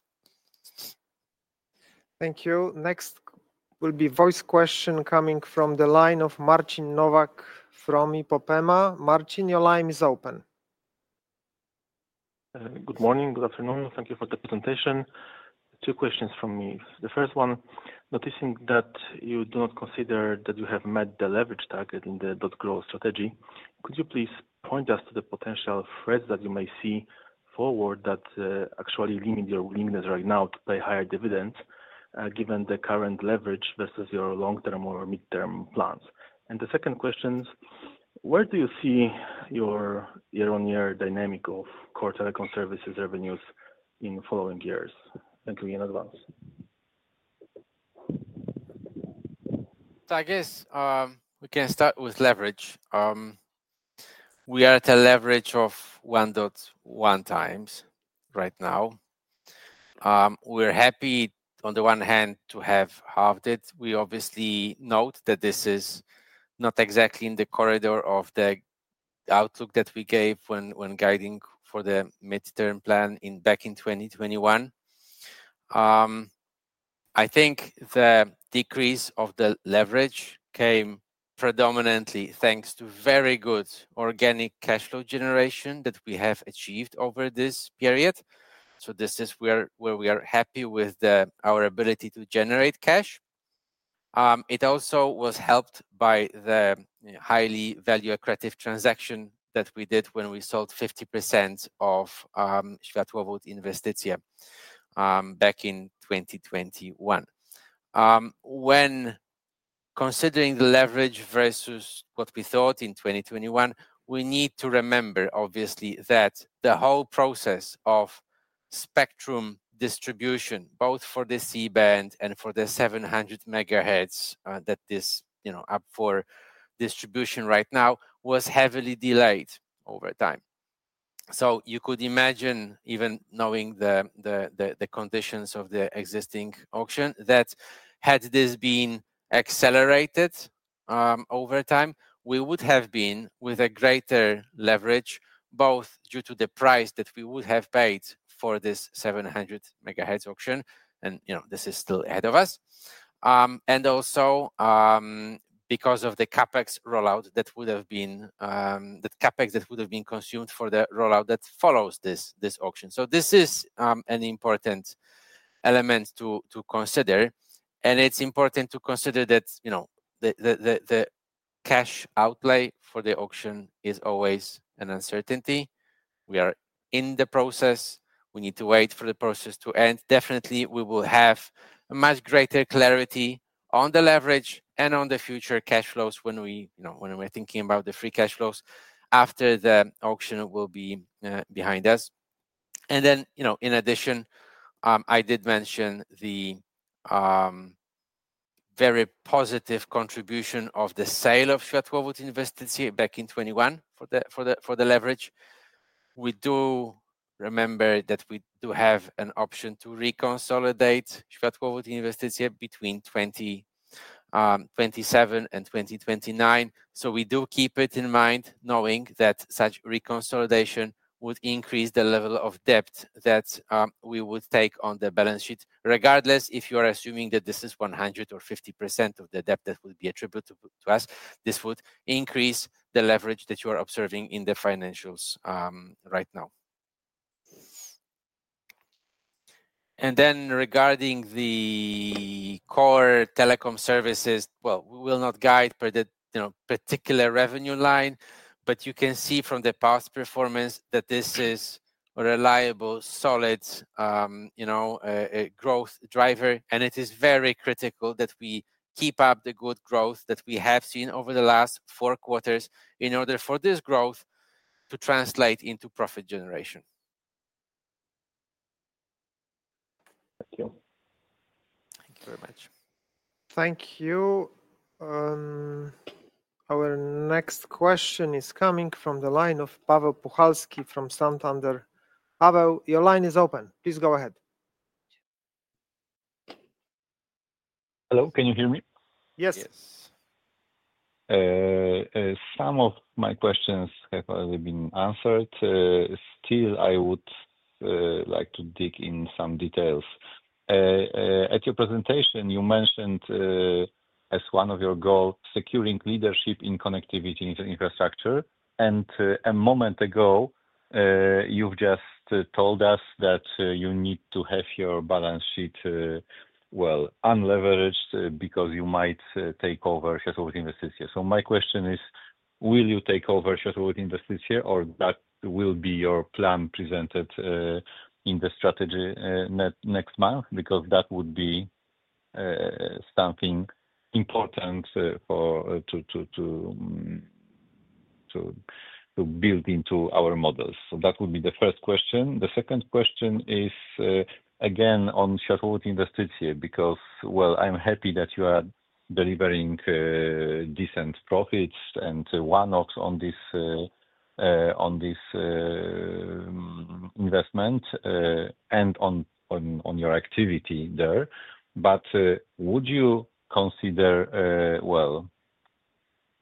Thank you. Next will be a voice question coming from the line of Marcin Nowak from Ipopema. Marcin, your line is open. Good morning. Good afternoon. Thank you for the presentation. Two questions from me. The first one, noticing that you do not consider that you have met the leverage target in the .Grow strategy, could you please point us to the potential threats that you may see forward that actually limit your willingness right now to pay higher dividends given the current leverage versus your long-term or mid-term plans? And the second question is, where do you see your year-on-year dynamic of core telecom services revenues in the following years? Thank you in advance. I guess we can start with leverage. We are at a leverage of 1.1 times right now. We're happy on the one hand to have halved it. We obviously note that this is not exactly in the corridor of the outlook that we gave when guiding for the mid-term plan back in 2021. I think the decrease of the leverage came predominantly thanks to very good organic cash flow generation that we have achieved over this period. So this is where we are happy with our ability to generate cash. It also was helped by the highly value-accretive transaction that we did when we sold 50% of Światłowód Inwestycje back in 2021. When considering the leverage versus what we thought in 2021, we need to remember, obviously, that the whole process of spectrum distribution, both for the C-band and for the 700 megahertz that's up for distribution right now, was heavily delayed over time, so you could imagine, even knowing the conditions of the existing auction, that had this been accelerated over time, we would have been with a greater leverage, both due to the price that we would have paid for this 700 megahertz auction, and this is still ahead of us, and also because of the CapEx rollout that would have been, the CapEx that would have been consumed for the rollout that follows this auction, so this is an important element to consider, and it's important to consider that the cash outlay for the auction is always an uncertainty. We are in the process. We need to wait for the process to end. Definitely, we will have much greater clarity on the leverage and on the future cash flows when we're thinking about the free cash flows after the auction will be behind us, and then, in addition, I did mention the very positive contribution of the sale of Światłowód Inwestycje back in 2021 for the leverage. We do remember that we do have an option to reconsolidate Światłowód Inwestycje between 2027 and 2029, so we do keep it in mind, knowing that such reconsolidation would increase the level of debt that we would take on the balance sheet, regardless if you are assuming that this is 100% or 50% of the debt that would be attributed to us. This would increase the leverage that you are observing in the financials right now. Then, regarding the core telecom services, well, we will not guide per the particular revenue line, but you can see from the past performance that this is a reliable, solid growth driver. It is very critical that we keep up the good growth that we have seen over the last four quarters in order for this growth to translate into profit generation. Thank you. Thank you very much. Thank you. Our next question is coming from the line of Paweł Puchalski from Santander. Paweł, your line is open. Please go ahead. Hello. Can you hear me? Yes. Yes. Some of my questions have already been answered. Still, I would like to dig in some details. At your presentation, you mentioned as one of your goals, securing leadership in connectivity infrastructure. And a moment ago, you've just told us that you need to have your balance sheet, well, unleveraged because you might take over Światłowód Inwestycje. So my question is, will you take over Światłowód Inwestycje, or that will be your plan presented in the strategy next month? Because that would be something important to build into our models. So that would be the first question. The second question is, again, on Światłowód Inwestycje, because, well, I'm happy that you are delivering decent profits and one-offs on this investment and on your activity there. But would you consider, well,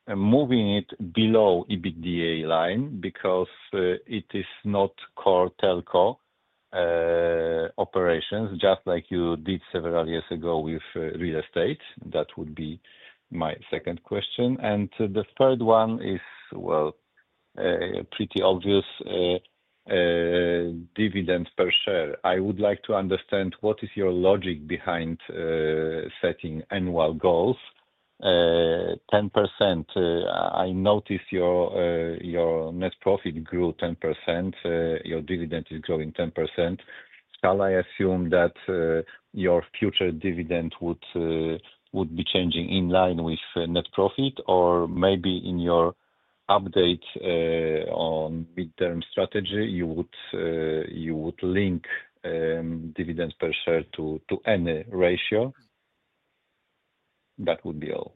moving it below EBITDA line because it is not core telco operations, just like you did several years ago with real estate? That would be my second question. And the third one is, well, pretty obvious, dividend per share. I would like to understand what is your logic behind setting annual goals? 10%, I noticed your net profit grew 10%. Your dividend is growing 10%. Shall I assume that your future dividend would be changing in line with net profit? Or maybe in your update on mid-term strategy, you would link dividend per share to any ratio? That would be all.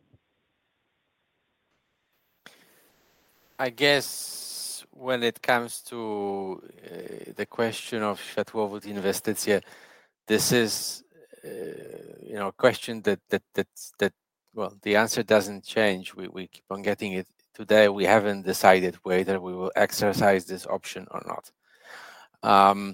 I guess when it comes to the question of Światłowód Inwestycje, this is a question that, well, the answer doesn't change. We keep on getting it. Today, we haven't decided whether we will exercise this option or not.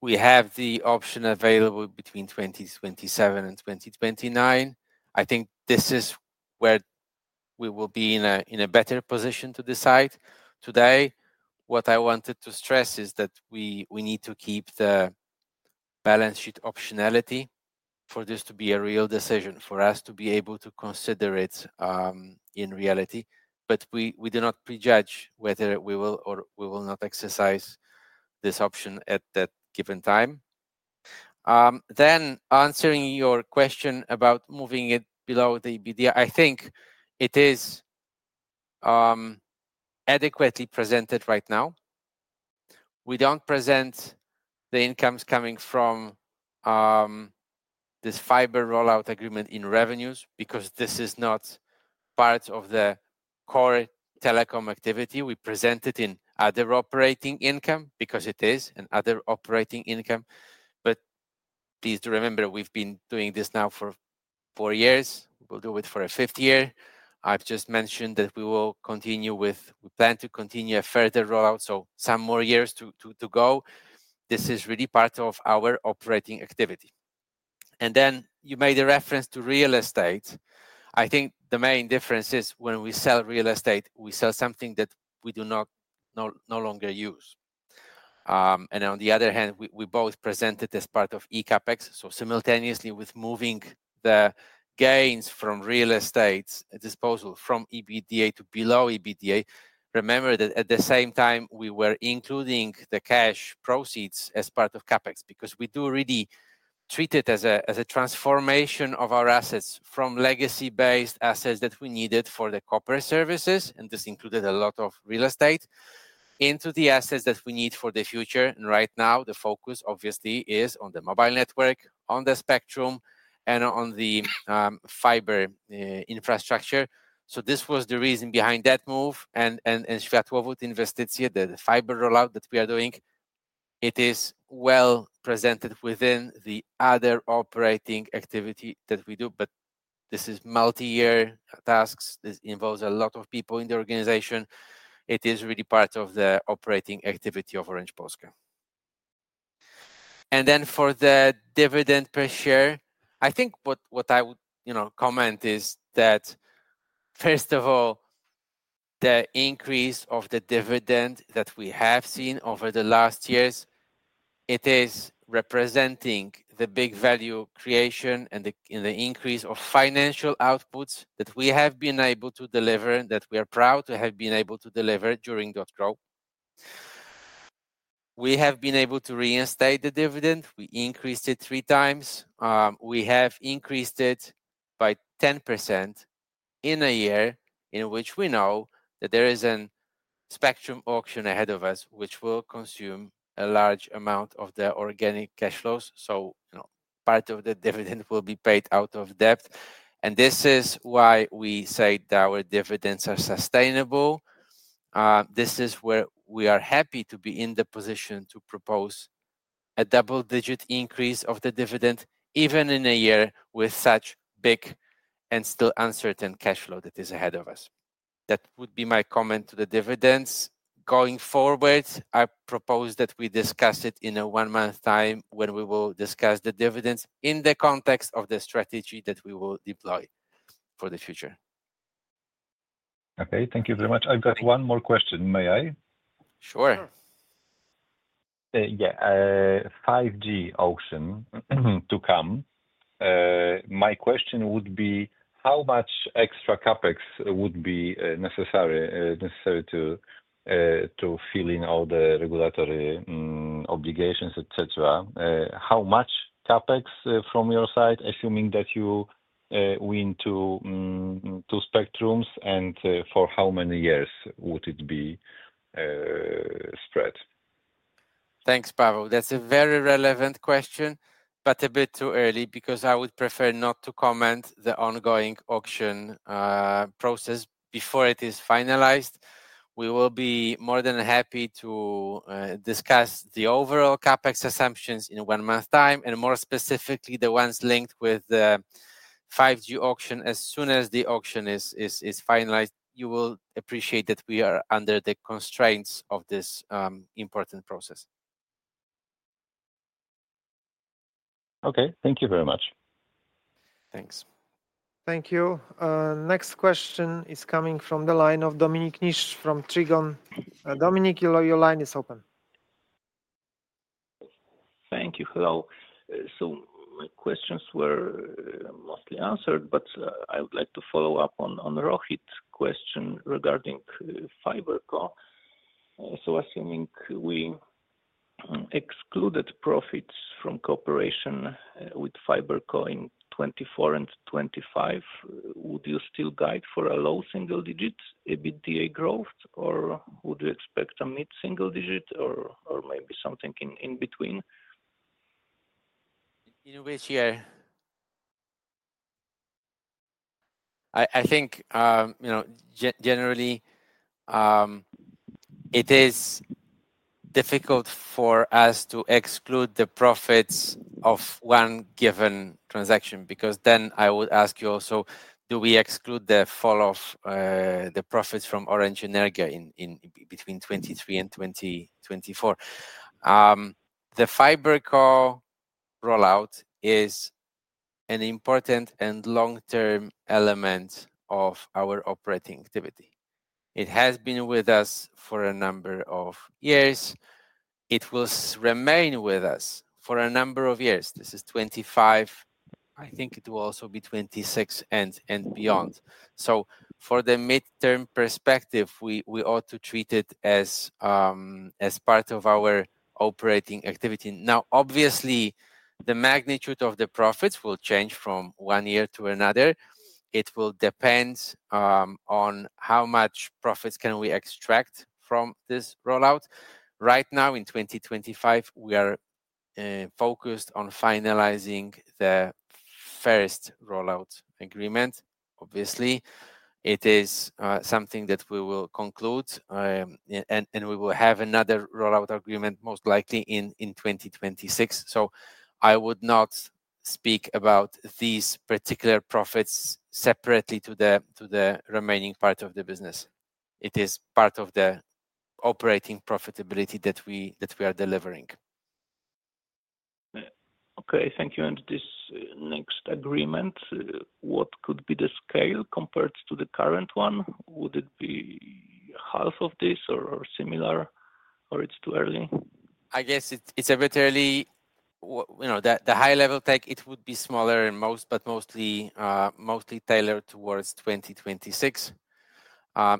We have the option available between 2027 and 2029. I think this is where we will be in a better position to decide. Today, what I wanted to stress is that we need to keep the balance sheet optionality for this to be a real decision for us to be able to consider it in reality. But we do not prejudge whether we will or we will not exercise this option at that given time. Then, answering your question about moving it below the EBITDA, I think it is adequately presented right now. We don't present the incomes coming from this fiber rollout agreement in revenues because this is not part of the core telecom activity. We present it in other operating income because it is another operating income. But please remember, we've been doing this now for four years. We'll do it for a fifth year. I've just mentioned that we will continue with, we plan to continue a further rollout, so some more years to go. This is really part of our operating activity. And then you made a reference to real estate. I think the main difference is when we sell real estate, we sell something that we do not no longer use. And on the other hand, we both present it as part of eCapEx. So simultaneously with moving the gains from real estate disposal from EBITDA to below EBITDA, remember that at the same time, we were including the cash proceeds as part of CapEx because we do really treat it as a transformation of our assets from legacy-based assets that we needed for the copper services, and this included a lot of real estate, into the assets that we need for the future. And right now, the focus obviously is on the mobile network, on the spectrum, and on the fiber infrastructure. So this was the reason behind that move. And Światłowód Inwestycje, the fiber rollout that we are doing, it is well presented within the other operating activity that we do. But this is multi-year tasks. This involves a lot of people in the organization. It is really part of the operating activity of Orange Polska. And then for the dividend per share, I think what I would comment is that, first of all, the increase of the dividend that we have seen over the last years. It is representing the big value creation and the increase of financial outputs that we have been able to deliver, that we are proud to have been able to deliver during our growth. We have been able to reinstate the dividend. We increased it three times. We have increased it by 10% in a year in which we know that there is a spectrum auction ahead of us, which will consume a large amount of the organic cash flows. So part of the dividend will be paid out of debt. And this is why we say that our dividends are sustainable. This is where we are happy to be in the position to propose a double-digit increase of the dividend, even in a year with such big and still uncertain cash flow that is ahead of us. That would be my comment to the dividends. Going forward, I propose that we discuss it in a one-month time when we will discuss the dividends in the context of the strategy that we will deploy for the future. Okay. Thank you very much. I've got one more question. May I? Sure. Yeah. 5G auction to come. My question would be, how much extra CapEx would be necessary to fill in all the regulatory obligations, etc.? How much CapEx from your side, assuming that you win two spectrum, and for how many years would it be spread? Thanks, Paweł. That's a very relevant question, but a bit too early because I would prefer not to comment on the ongoing auction process before it is finalized. We will be more than happy to discuss the overall CapEx assumptions in one month's time, and more specifically, the ones linked with the 5G auction. As soon as the auction is finalized, you will appreciate that we are under the constraints of this important process. Okay. Thank you very much. Thanks. Thank you. Next question is coming from the line of Dominik Niszcz from Trigon. Dominik, your line is open. Thank you. Hello. So my questions were mostly answered, but I would like to follow up on Rohit's question regarding FiberCo. So assuming we excluded profits from cooperation with FiberCo in 2024 and 2025, would you still guide for a low single-digit EBITDA growth, or would you expect a mid-single-digit or maybe something in between? In which year? I think generally, it is difficult for us to exclude the profits of one given transaction because then I would ask you also, do we exclude the fall of the profits from Orange Energy between 2023 and 2024? The FiberCo rollout is an important and long-term element of our operating activity. It has been with us for a number of years. It will remain with us for a number of years. This is 2025. I think it will also be 2026 and beyond. So for the mid-term perspective, we ought to treat it as part of our operating activity. Now, obviously, the magnitude of the profits will change from one year to another. It will depend on how much profits can we extract from this rollout. Right now, in 2025, we are focused on finalizing the first rollout agreement. Obviously, it is something that we will conclude, and we will have another rollout agreement most likely in 2026. So I would not speak about these particular profits separately to the remaining part of the business. It is part of the operating profitability that we are delivering. Okay. Thank you. And this next agreement, what could be the scale compared to the current one? Would it be half of this or similar, or it's too early? I guess it's a bit early. The high-level tech, it would be smaller and mostly tailored towards 2026.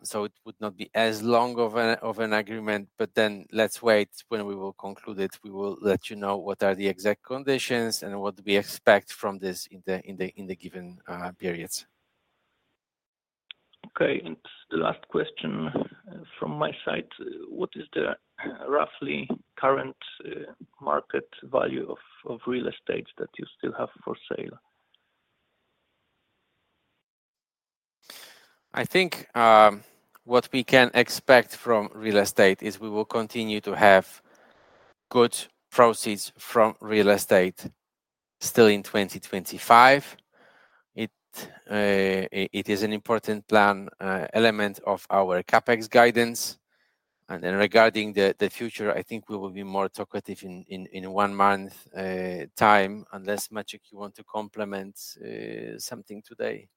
So it would not be as long of an agreement. But then let's wait. When we will conclude it, we will let you know what are the exact conditions and what we expect from this in the given periods. Okay, and the last question from my side. What is the roughly current market value of real estate that you still have for sale? I think what we can expect from real estate is we will continue to have good proceeds from real estate still in 2025. It is an important element of our CapEx guidance. And then regarding the future, I think we will be more talkative in one month's time. Unless, Maciek, you want to complement something today?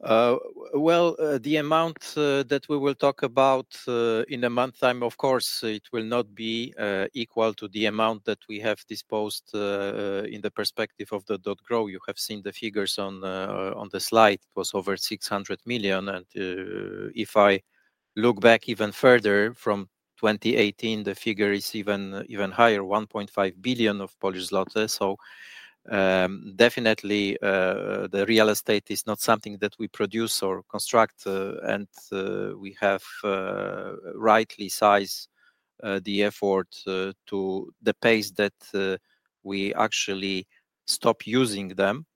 The amount that we will talk about in a month's time, of course, it will not be equal to the amount that we have disposed in the perspective of the .Growth. You have seen the figures on the slide. It was over 600 million. And if I look back even further from 2018, the figure is even higher, 1.5 billion. So definitely, the real estate is not something that we produce or construct, and we have rightly sized the effort to the pace that we actually stop using them.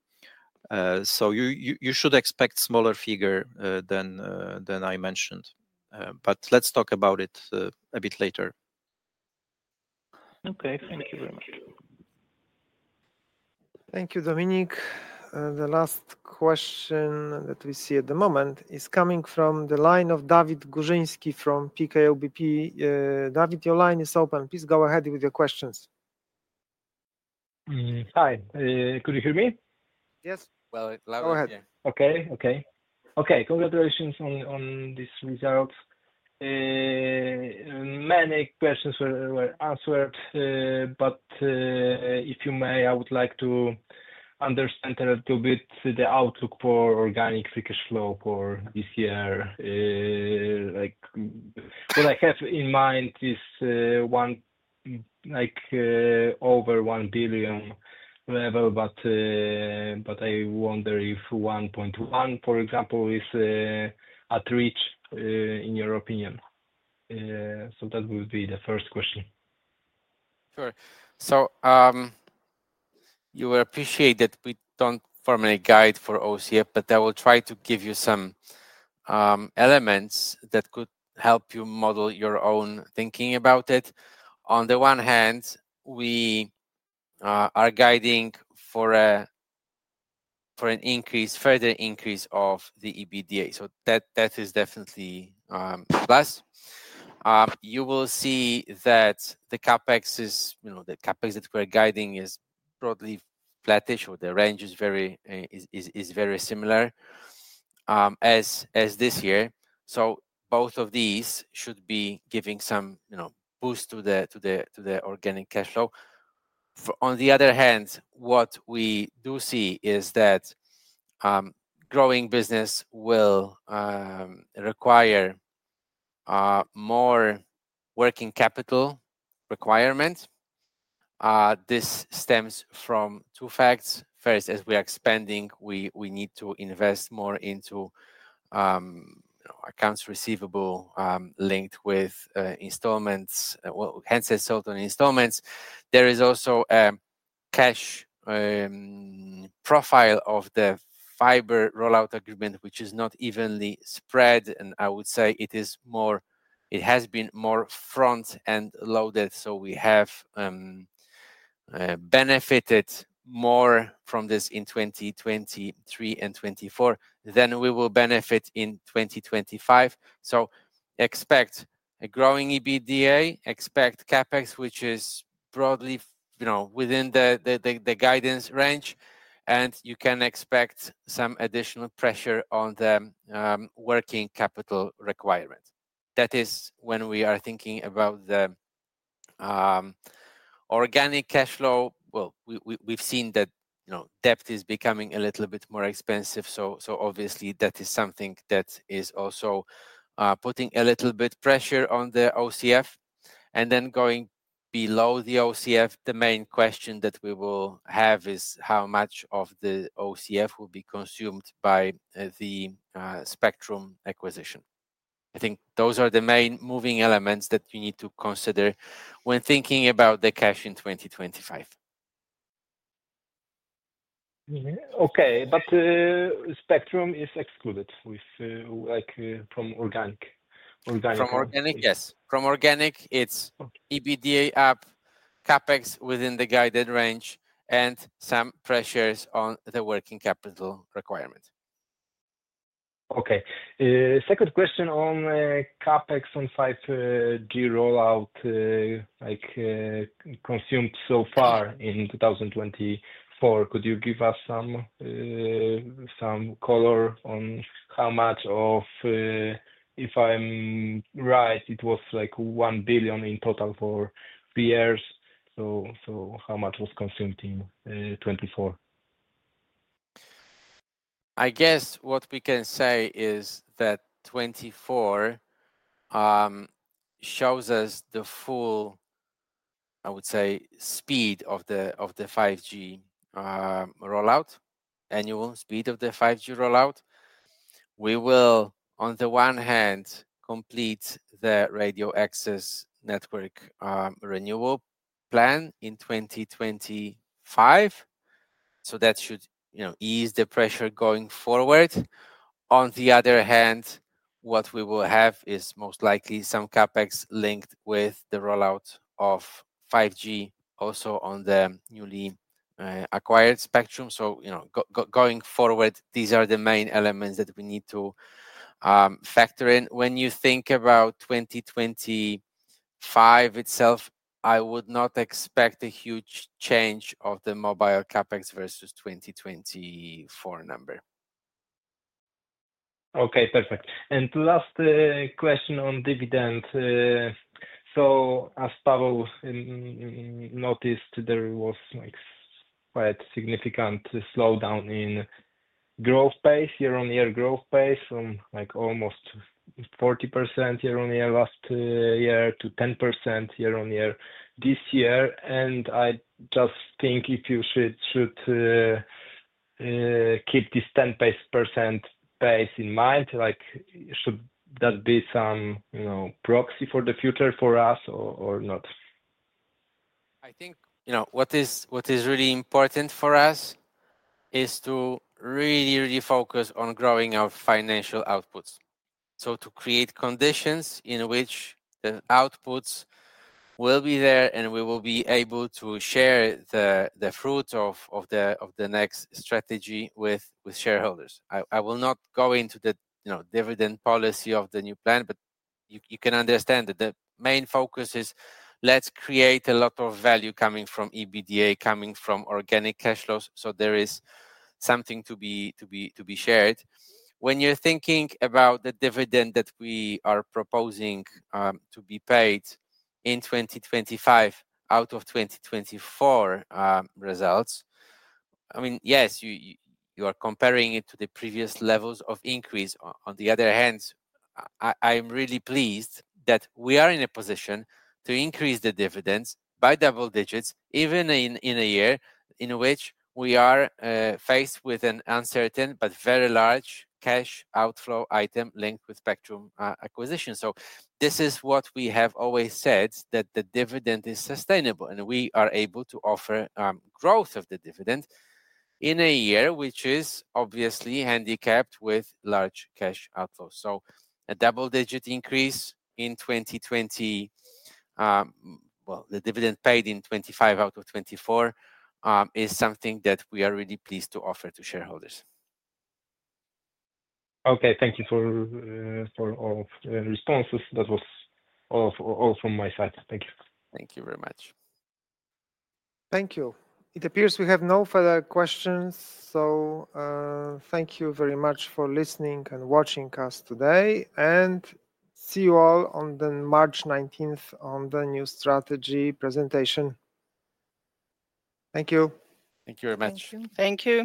So you should expect a smaller figure than I mentioned. But let's talk about it a bit later. Okay. Thank you very much. Thank you, Dominik. The last question that we see at the moment is coming from the line of Dawid Górzyński from PKO BP. David, your line is open. Please go ahead with your questions. Hi. Could you hear me? Yes, well, loud and clear. Go ahead. Congratulations on this result. Many questions were answered. But if you may, I would like to understand a little bit the outlook for organic free cash flow for this year. What I have in mind is over 1 billion level, but I wonder if 1.1 billion, for example, is a reach in your opinion. So that would be the first question. Sure. So you will appreciate that we don't formally guide for OCF, but I will try to give you some elements that could help you model your own thinking about it. On the one hand, we are guiding for an increase, further increase of the EBITDA. So that is definitely a plus. You will see that the CapEx, the CapEx that we're guiding is broadly flattish, or the range is very similar as this year. So both of these should be giving some boost to the organic cash flow. On the other hand, what we do see is that growing business will require more working capital requirements. This stems from two facts. First, as we are expanding, we need to invest more into accounts receivable linked with installments, hence, installments. There is also a cash profile of the fiber rollout agreement, which is not evenly spread. I would say it has been more front-end loaded. We have benefited more from this in 2023 and 2024 than we will benefit in 2025. Expect a growing EBITDA. Expect CapEx, which is broadly within the guidance range. You can expect some additional pressure on the working capital requirement. That is when we are thinking about the organic cash flow. We've seen that debt is becoming a little bit more expensive. Obviously, that is something that is also putting a little bit of pressure on the OCF. Then going below the OCF, the main question that we will have is how much of the OCF will be consumed by the spectrum acquisition. I think those are the main moving elements that you need to consider when thinking about the cash in 2025. Okay, but spectrum is excluded from organic. From organic, yes. From organic, it's EBITDA up, CapEx within the guided range, and some pressures on the working capital requirement. Okay. Second question on CapEx on 5G rollout consumed so far in 2024. Could you give us some color on how much of, if I'm right, it was like one billion in total for three years. So how much was consumed in 2024? I guess what we can say is that 2024 shows us the full, I would say, speed of the 5G rollout, annual speed of the 5G rollout. We will, on the one hand, complete the radio access network renewal plan in 2025. So that should ease the pressure going forward. On the other hand, what we will have is most likely some CapEx linked with the rollout of 5G also on the newly acquired spectrum. So going forward, these are the main elements that we need to factor in. When you think about 2025 itself, I would not expect a huge change of the mobile CapEx versus 2024 number. Okay. Perfect. And last question on dividend. So as Paweł noticed, there was quite a significant slowdown in growth pace, year-on-year growth pace from almost 40% year-on-year last year to 10% year-on-year this year. And I just think if you should keep this 10% pace in mind, should that be some proxy for the future for us or not? I think what is really important for us is to really, really focus on growing our financial outputs. So to create conditions in which the outputs will be there and we will be able to share the fruit of the next strategy with shareholders. I will not go into the dividend policy of the new plan, but you can understand that the main focus is let's create a lot of value coming from EBITDA, coming from organic cash flows. So there is something to be shared. When you're thinking about the dividend that we are proposing to be paid in 2025 out of 2024 results, I mean, yes, you are comparing it to the previous levels of increase. On the other hand, I'm really pleased that we are in a position to increase the dividends by double digits, even in a year in which we are faced with an uncertain but very large cash outflow item linked with spectrum acquisition. So this is what we have always said, that the dividend is sustainable and we are able to offer growth of the dividend in a year which is obviously handicapped with large cash outflows. So a double-digit increase in 2020, well, the dividend paid in 2025 out of 2024 is something that we are really pleased to offer to shareholders. Okay. Thank you for all responses. That was all from my side. Thank you. Thank you very much. Thank you. It appears we have no further questions, so thank you very much for listening and watching us today, and see you all on March 19th on the new strategy presentation. Thank you. Thank you very much. Thank you.